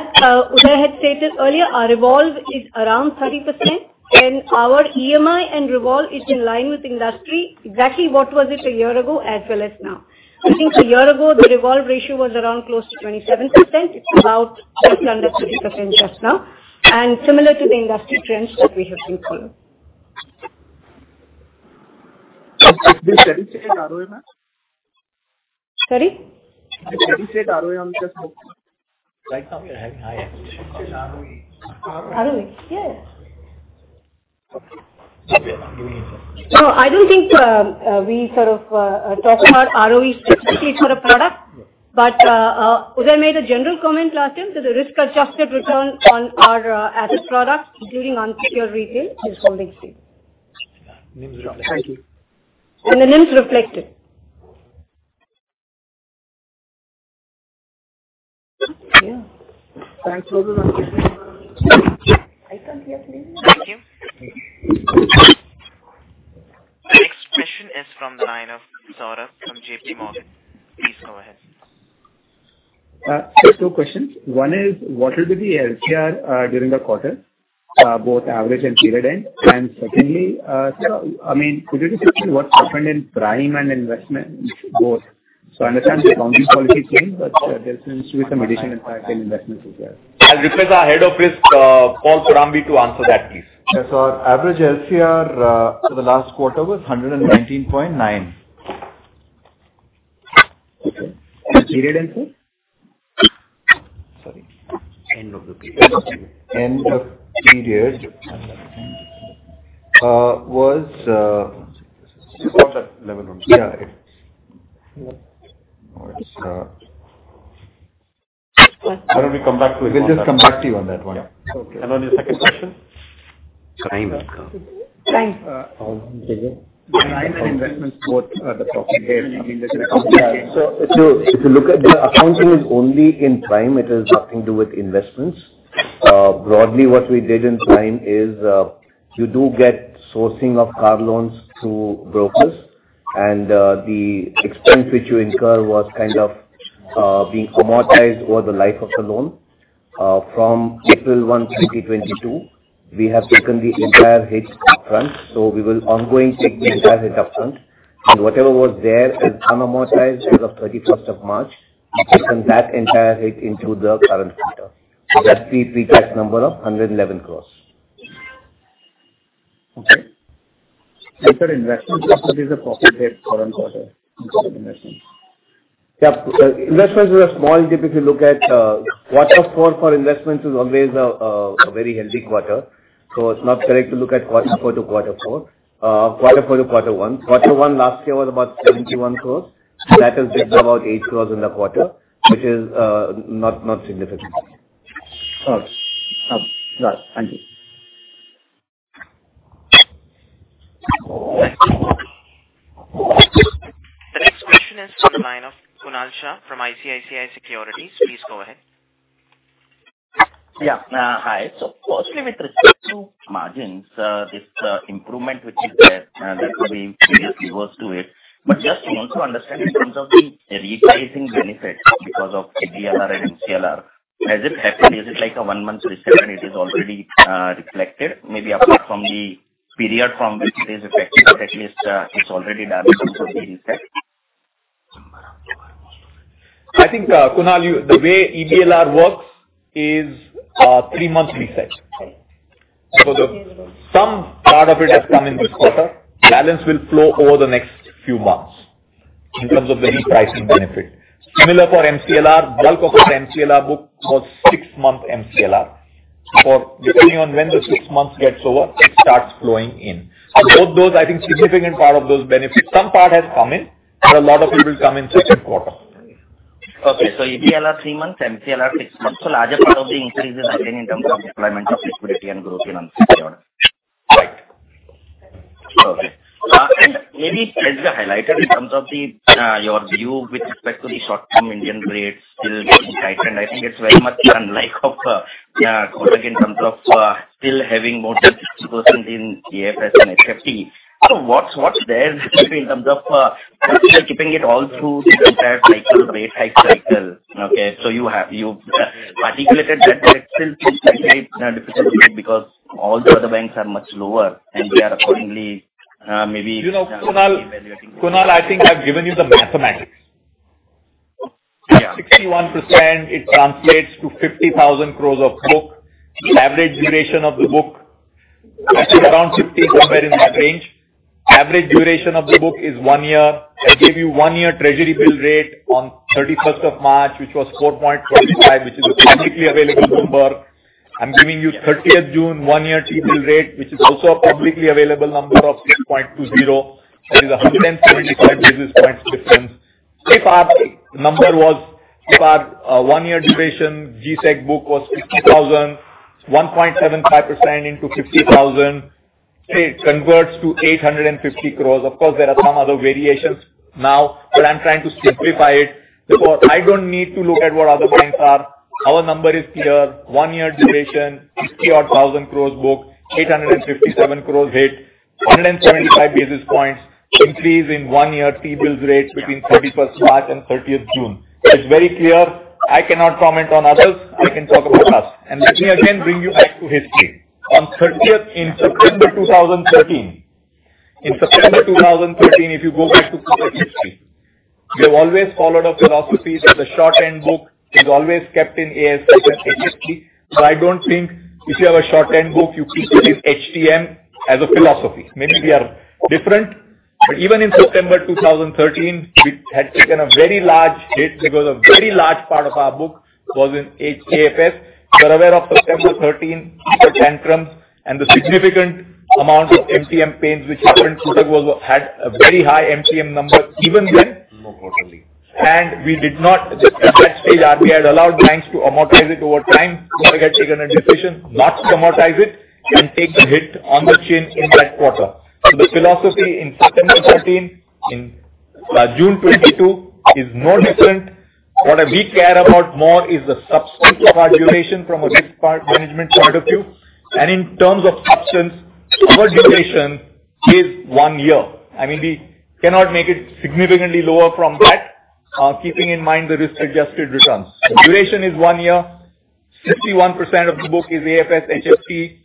Uday had stated earlier, our revolve is around 30% and our EMI and revolve is in line with industry. Exactly what was it a year ago as well as now. I think a year ago, the revolve ratio was around close to 27%. It's about slightly under 30% as of now. Similar to the industry trends that we have seen here. Is the steady state ROE, ma'am? Sorry? The steady state ROE on this book. Right now we are having high acquisition costs. ROE. ROE. Yes. No, I don't think we sort of talk about ROE specifically for a product. Uday made a general comment last time, that the risk-adjusted return on our asset products, including on secure retail, is holding steady. Thank you. The NIM's reflected. Yeah. Thanks. I can't hear clearly. Thank you. The next question is from the line of Saurabh from JPMorgan. Please go ahead. Just two questions. One is, what will be the LCR during the quarter, both average and period end? Secondly, so, I mean, could you just explain what's happened in Prime and Investments both? I understand the accounting policy change, but there seems to be some additional impact in Investments as well. I'll request our Head of Risk, Paul Parambi, to answer that, please. Yes. Our average LCR for the last quarter was 119.9. Okay. The period end too? Sorry. End of the period. End of period was. It's not that level. Yeah, it's. Why don't we come back to you on that? We'll just come back to you on that one. Okay. On your second question? Prime and investments both are the profit here. I mean, there's an accounting change. If you look at the accounting is only in Prime. It has nothing to do with investments. Broadly, what we did in Prime is, you do get sourcing of car loans through brokers. The expense which you incur was kind of being amortized over the life of the loan. From April 1, 2022, we have taken the entire hit upfront. We will ongoing take the entire hit upfront. Whatever was there as unamortized as of March 31st, we've taken that entire hit into the current quarter. That's the pre-tax number of 111 crore. Okay. For investment properties, the profit made current quarter in terms of investments. Yeah. Investments were small. If you look at quarter four for investments is always a very healthy quarter, so it's not correct to look at quarter four to quarter four. Quarter four to quarter one. Quarter one last year was about 71 crores. That has dipped about 8 crores in the quarter, which is not significant. Got it. Right. Thank you. The next question is from the line of Kunal Shah from ICICI Securities. Please go ahead. Yeah. Hi. Firstly, with respect to margins, this improvement which is there, that will be previous reverse to it. But just want to understand in terms of the repricing benefit because of EBLR and MCLR, has it happened? Is it like a one-month reset and it is already reflected maybe apart from the period from which it is effective, but at least, it's already done in terms of the reset? I think, Kunal, the way EBLR works is three-month reset. Right. Some part of it has come in this quarter. Balance will flow over the next few months in terms of the repricing benefit. Similar for MCLR. Bulk of our MCLR book was six-month MCLR. Depending on when the six months gets over, it starts flowing in. Both those, I think, significant part of those benefits. Some part has come in, and a lot of it will come in second quarter. Okay. EBLR, three months. MCLR, six months. Larger part of the increase is again in terms of deployment of liquidity and growth in unsecured. Right. Okay. Maybe perhaps highlight in terms of your view with respect to the short-term Indian rates still getting tightened. I think it's very much unlike Kotak in terms of still having more than 60% in AFS and HFT. What's there in terms of Kotak keeping it all through this entire cycle, rate hike cycle? You have articulated that direction since last year because all the other banks are much lower, and we are accordingly maybe. You know, Kunal, I think I've given you the mathematics. Yeah. 61%, it translates to 50,000 crores of book. Average duration of the book, I think around 50, somewhere in that range. Average duration of the book is one year. I gave you one-year treasury bill rate on March 31st, which was 4.25%, which is a publicly available number. I'm giving you June 30th one-year T-bill rate, which is also a publicly available number of 6.20%. That is 175 basis points difference. If our one-year duration G-sec book was 50,000, 1.75% into 50,000, it converts to 850 crore. Of course, there are some other variations now, but I'm trying to simplify it because I don't need to look at what other banks are. Our number is clear. One-year duration, 50,000 crore book, 857 crore hit, 175 basis points increase in one-year T-bills rates between March 31st and June 30th. It's very clear. I cannot comment on others. I can talk about us. Let me again bring you back to history. In September 2013, if you go back to [history], we have always followed a philosophy that the short-term book is always kept in AFS and HFT. I don't think if you have a short-term book, you keep it as HTM as a philosophy. Maybe we are different. Even in September 2013, we had taken a very large hit because a very large part of our book was in AFS. You're aware of September 2013 taper tantrum and the significant amount of MTM pains which happened. Kotak had a very high MTM number even then. No, totally. We did not. At that stage, RBI had allowed banks to amortize it over time. Kotak had taken a decision not to amortize it and take the hit on the chin in that quarter. The philosophy in September 2013 and by June 2022 is no different. What we care about more is the substance of our duration from a risk management point of view and in terms of substance, our duration is one year. I mean, we cannot make it significantly lower from that, keeping in mind the risk-adjusted returns. The duration is one year. 61% of the book is AFS, HTM.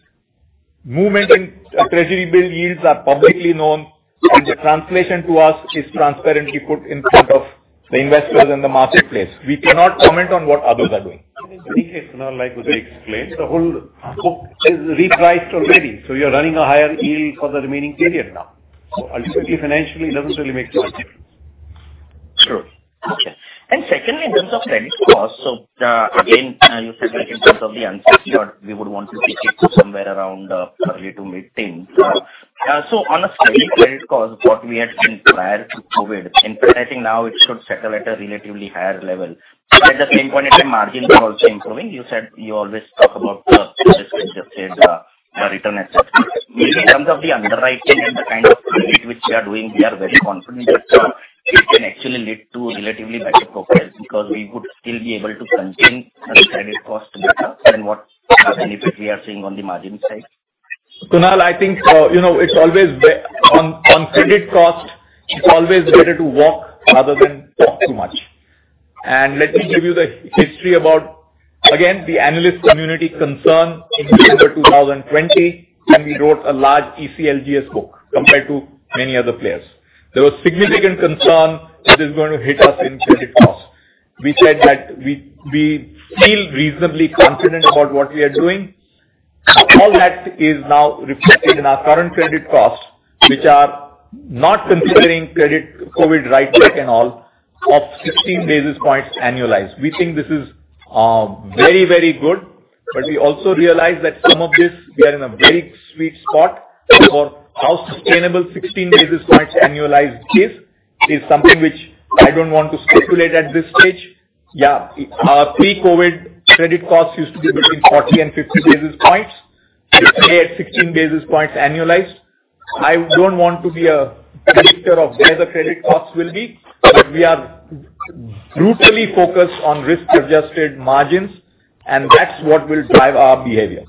Movement in treasury bill yields are publicly known, and the translation to us is transparently put in front of the investors in the marketplace. We cannot comment on what others are doing. In any case, Kunal, like what we explained, the whole book is repriced already, so you're running a higher yield for the remaining period now. Ultimately, financially, it doesn't really make too much difference. True. Okay. Secondly, in terms of credit costs, you said like in terms of the unsecured, we would want to take it to somewhere around early to mid-teens. On a steady credit cost, what we had seen prior to COVID, in fact, I think now it should settle at a relatively higher level. At the same point, if the margins are also improving, you said you always talk about the risk-adjusted return etc. In terms of the underwriting and the kind of credit which we are doing, we are very confident that it can actually lead to relatively better profiles because we would still be able to contain credit costs better than what benefit we are seeing on the margin side. Kunal, I think, you know, it's always on credit cost, it's always better to walk rather than talk too much. Let me give you the history about, again, the analyst community concern in calendar 2020, when we wrote a large ECLGS book compared to many other players. There was significant concern that is going to hit us in credit costs. We said that we feel reasonably confident about what we are doing. All that is now reflected in our current credit costs, which are not considering credit, COVID write-back and all of 16 basis points annualized. We think this is very, very good, but we also realize that some of this, we are in a very sweet spot for how sustainable 16 basis points annualized is something which I don't want to speculate at this stage. Pre-COVID credit costs used to be between 40 and 50 basis points. Today at 16 basis points annualized. I don't want to be a predictor of where the credit costs will be, but we are brutally focused on risk-adjusted margins, and that's what will drive our behavior.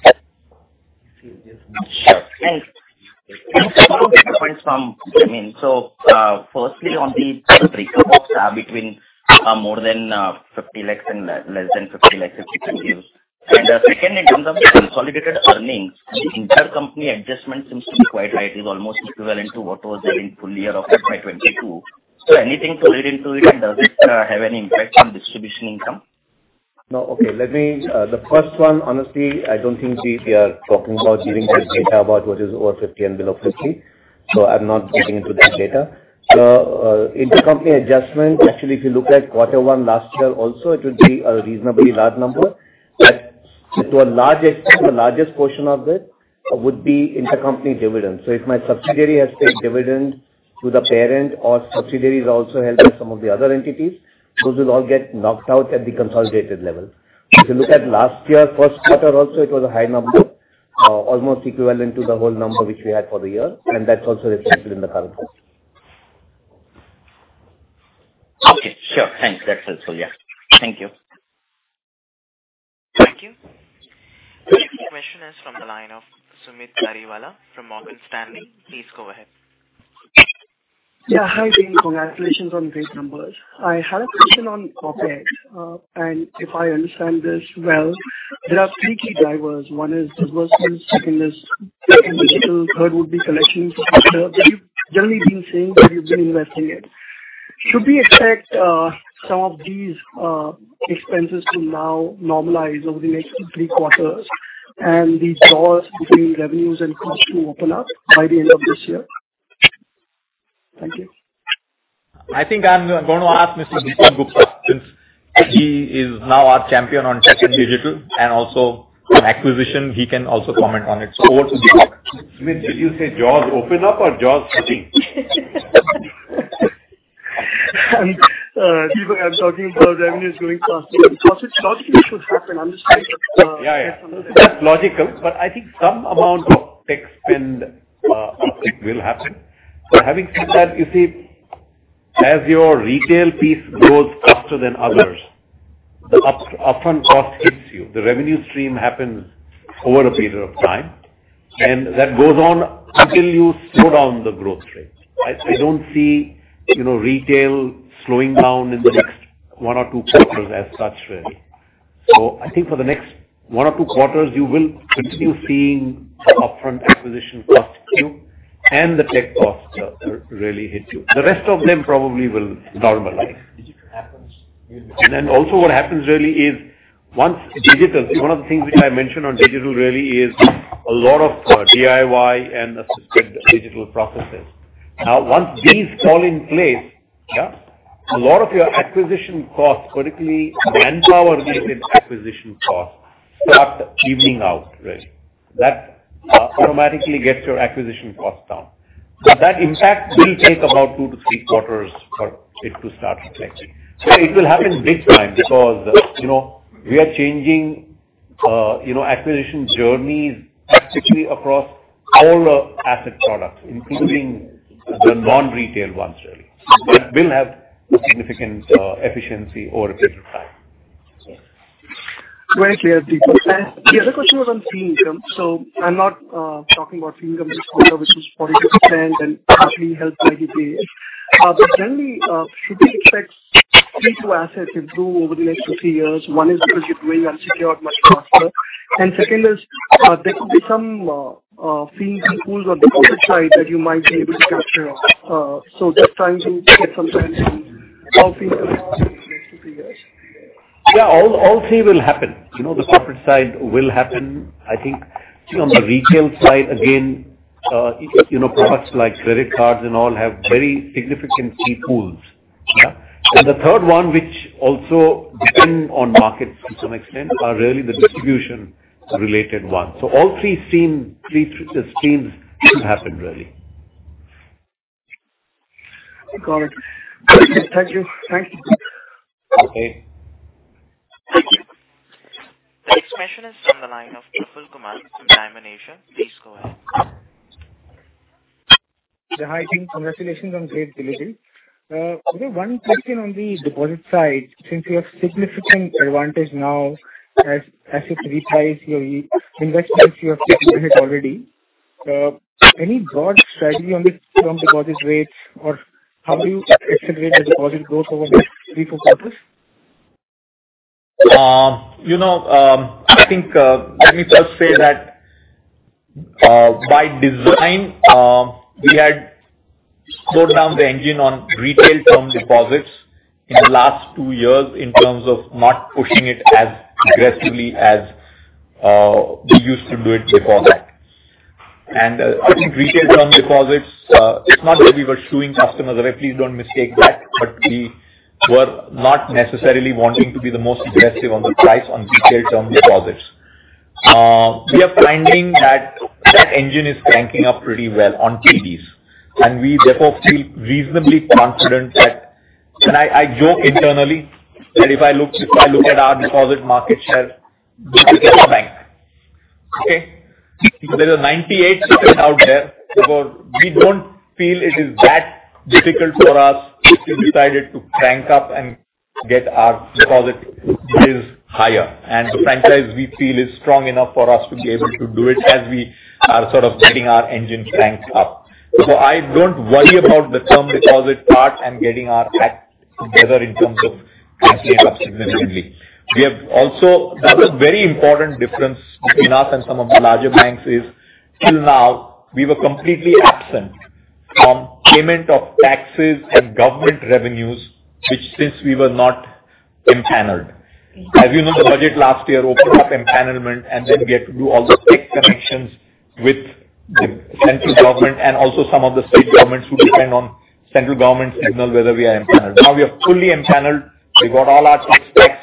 Sure. Thanks. Can you follow up that point from, I mean, firstly on the total recovery books are between more than 50 lakhs and less than 50 lakhs if we can use. Second, in terms of the consolidated earnings and the intercompany adjustment seems to be quite high. It is almost equivalent to what was there in full year of FY 2022. Anything to read into it, and does it have any impact on distribution income? No. Okay. Let me the first one, honestly, I don't think we are talking about giving the data about what is over 50 and below 50, so I'm not getting into that data. Intercompany adjustment, actually, if you look at quarter one last year also, it would be a reasonably large number, but to a large extent, the largest portion of this would be intercompany dividends. If my subsidiary has paid dividend to the parent or subsidiary is also held by some of the other entities, those will all get knocked out at the consolidated level. If you look at last year first quarter also, it was a high number, almost equivalent to the whole number which we had for the year, and that's also reflected in the current year. Okay. Sure. Thanks. That's helpful. Yeah. Thank you. Thank you. The next question is from the line of Sumeet Kariwala from Morgan Stanley. Please go ahead. Yeah. Hi, team. Congratulations on great numbers. I had a question on OpEx. If I understand this well, there are three key drivers. One is personnel, second is tech and digital, third would be collection infrastructure, which you've generally been saying that you've been investing in. Should we expect some of these expenses to now normalize over the next three quarters and these doors between revenues and costs to open up by the end of this year? Thank you. I think I'm gonna ask Mr. Dipak Gupta since he is now our champion on tech and digital and also on acquisition. He can also comment on it. Over to Dipak. Sumeet, did you say jaws open up or jaws touching? Dipak, I'm talking about revenue is growing faster than costs, which logically should happen. I'm just trying to. Yeah, yeah. That's logical, but I think some amount of tech spend, uptick will happen. Having said that, you see, as your retail piece grows faster than others, the upfront cost hits you. The revenue stream happens over a period of time, and that goes on until you slow down the growth rate. I don't see, you know, retail slowing down in the next one or two quarters as such really. I think for the next one or two quarters, you will continue seeing upfront acquisition costs hit you and the tech costs, really hit you. The rest of them probably will normalize. What happens really is once digital, one of the things which I mentioned on digital really is a lot of DIY and assisted digital processes. Now, once these fall in place, a lot of your acquisition costs, particularly the manpower related acquisition costs, start evening out really. That automatically gets your acquisition cost down. That impact will take about two to three quarters for it to start reflecting. It will happen big time because, you know, we are changing, you know, acquisition journeys especially across all our asset products, including the non-retail ones really. It will have a significant efficiency over a period of time. Quite clear. The other question was on fee income. I'm not talking about fee income this quarter, which was 40% and actually helped margins. Generally, should we expect fee to assets to grow over the next two, three years? One is because you're doing unsecured much faster. Second is, there could be some fee pools on the corporate side that you might be able to capture. Just trying to get some sense on how fee will look in the next two, three years. Yeah. All three will happen. You know, the corporate side will happen. I think on the retail side, again, you know, products like credit cards and all have very significant fee pools. Yeah. The third one, which also depend on markets to some extent, are really the distribution related ones. All three streams will happen, really. Got it. Thank you. Thank you. Okay. Thank you. The next question is on the line of Praful Kumar from Dymon Asia Capital. Please go ahead. Yeah. Hi, team. Congratulations on great results. Only one question on the deposit side, since you have significant advantage now as asset repricing, your investments you have taken ahead already. Any broad strategy on this term deposit rates or how do you accelerate the deposit growth over the next three-four quarters? You know, I think, let me first say that, by design, we had slowed down the engine on retail term deposits in the last two years in terms of not pushing it as aggressively as, we used to do it before that. I think retail term deposits, it's not that we were shooing customers away. Please don't mistake that. We were not necessarily wanting to be the most aggressive on the price on retail term deposits. We are finding that that engine is cranking up pretty well on CDs, and we therefore feel reasonably confident. I joke internally that if I look at our deposit market share, this is our bank. Okay? There are 98 systems out there. Therefore, we don't feel it is that difficult for us if we decided to crank up and get our deposit yields higher. The franchise, we feel, is strong enough for us to be able to do it as we are sort of getting our engine cranked up. I don't worry about the term deposit part and getting our act together in terms of cranking it up significantly. We have also. That's a very important difference between us and some of the larger banks is till now we were completely absent from payment of taxes and government revenues, which since we were not empaneled. As you know, the budget last year opened up empanelment, and then we had to do all the tech connections with the central government and also some of the state governments who depend on central government signal whether we are empaneled. Now we are fully empaneled. We got all our tax specs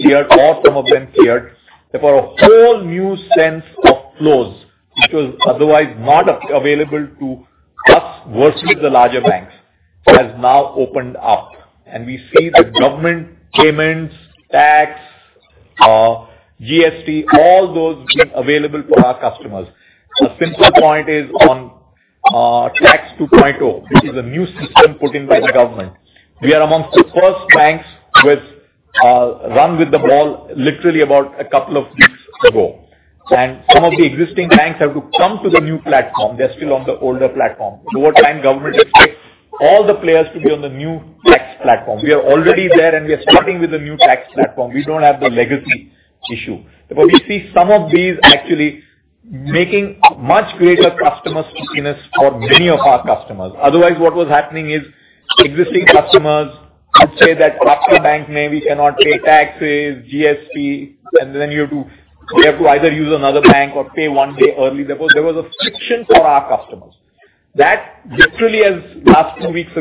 cleared or some of them cleared. Therefore, a whole new sense of flows, which was otherwise not available to us versus the larger banks, has now opened up and we see the government payments, tax, GST, all those being available to our customers. A simple point is on tax 2.0, which is a new system put in by the government. We are among the first banks to run with the ball literally about a couple of weeks ago. Some of the existing banks have to come to the new platform. They're still on the older platform. Over time, government expects all the players to be on the new tax platform. We are already there, and we are starting with the new tax platform. We don't have the legacy issue. Therefore, we see some of these actually making much greater customer stickiness for many of our customers. Otherwise, what was happening is existing customers would say that Kotak Bank maybe cannot pay taxes, GST, and then you have to, we have to either use another bank or pay one day early. Therefore, there was a friction for our customers. That literally two weeks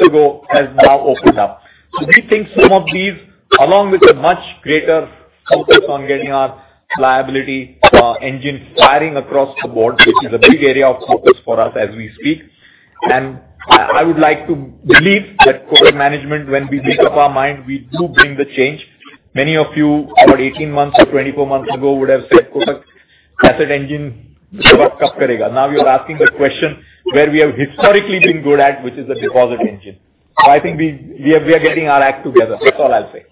ago has now opened up. We think some of these, along with a much greater focus on getting our liability engine firing across the board, which is a big area of focus for us as we speak. I would like to believe that Kotak management, when we make up our mind, we do bring the change. Many of you about 18 months or 24 months ago would have said, "Kotak asset engine." Now you're asking the question where we have historically been good at, which is the deposit engine. I think we are getting our act together. That's all I'll say.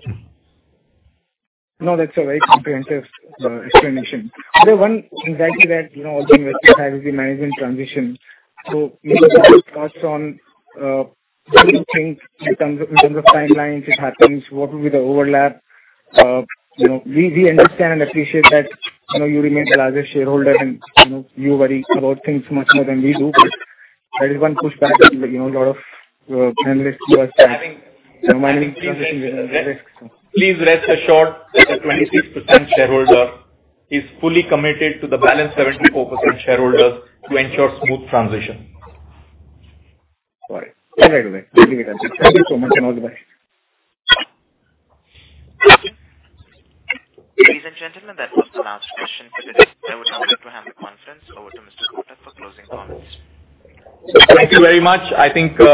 No, that's a very comprehensive explanation. There's one anxiety that, you know, all the investors have is the management transition. Maybe I'll start on what do you think in terms of timelines, if it happens, what will be the overlap? You know, we understand and appreciate that, you know, you remain the largest shareholder and, you know, you worry about things much more than we do. That is one pushback, you know, a lot of analysts give us. Please rest assured that the 26% shareholder is fully committed to the balance 74% shareholders to ensure smooth transition. Got it. Thank you so much and goodbye. Ladies and gentlemen, that was the last question for the day. I would now like to hand the conference over to Mr. Kotak for closing comments. Thank you very much. I think we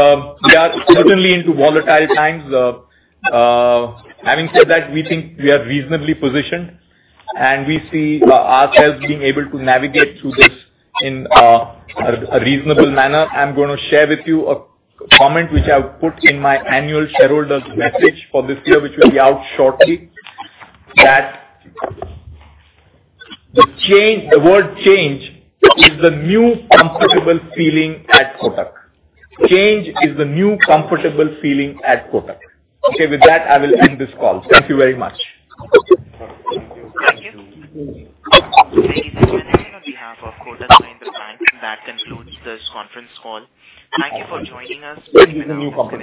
are certainly into volatile times. Having said that, we think we are reasonably positioned and we see ourselves being able to navigate through this in a reasonable manner. I'm gonna share with you a comment which I've put in my annual shareholders message for this year, which will be out shortly, that the change, the word change is the new comfortable feeling at Kotak. Change is the new comfortable feeling at Kotak. Okay, with that, I will end this call. Thank you very much. Thank you. Ladies and gentlemen, on behalf of Kotak Mahindra Bank, that concludes this conference call. Thank you for joining us. Change is the new comfortable.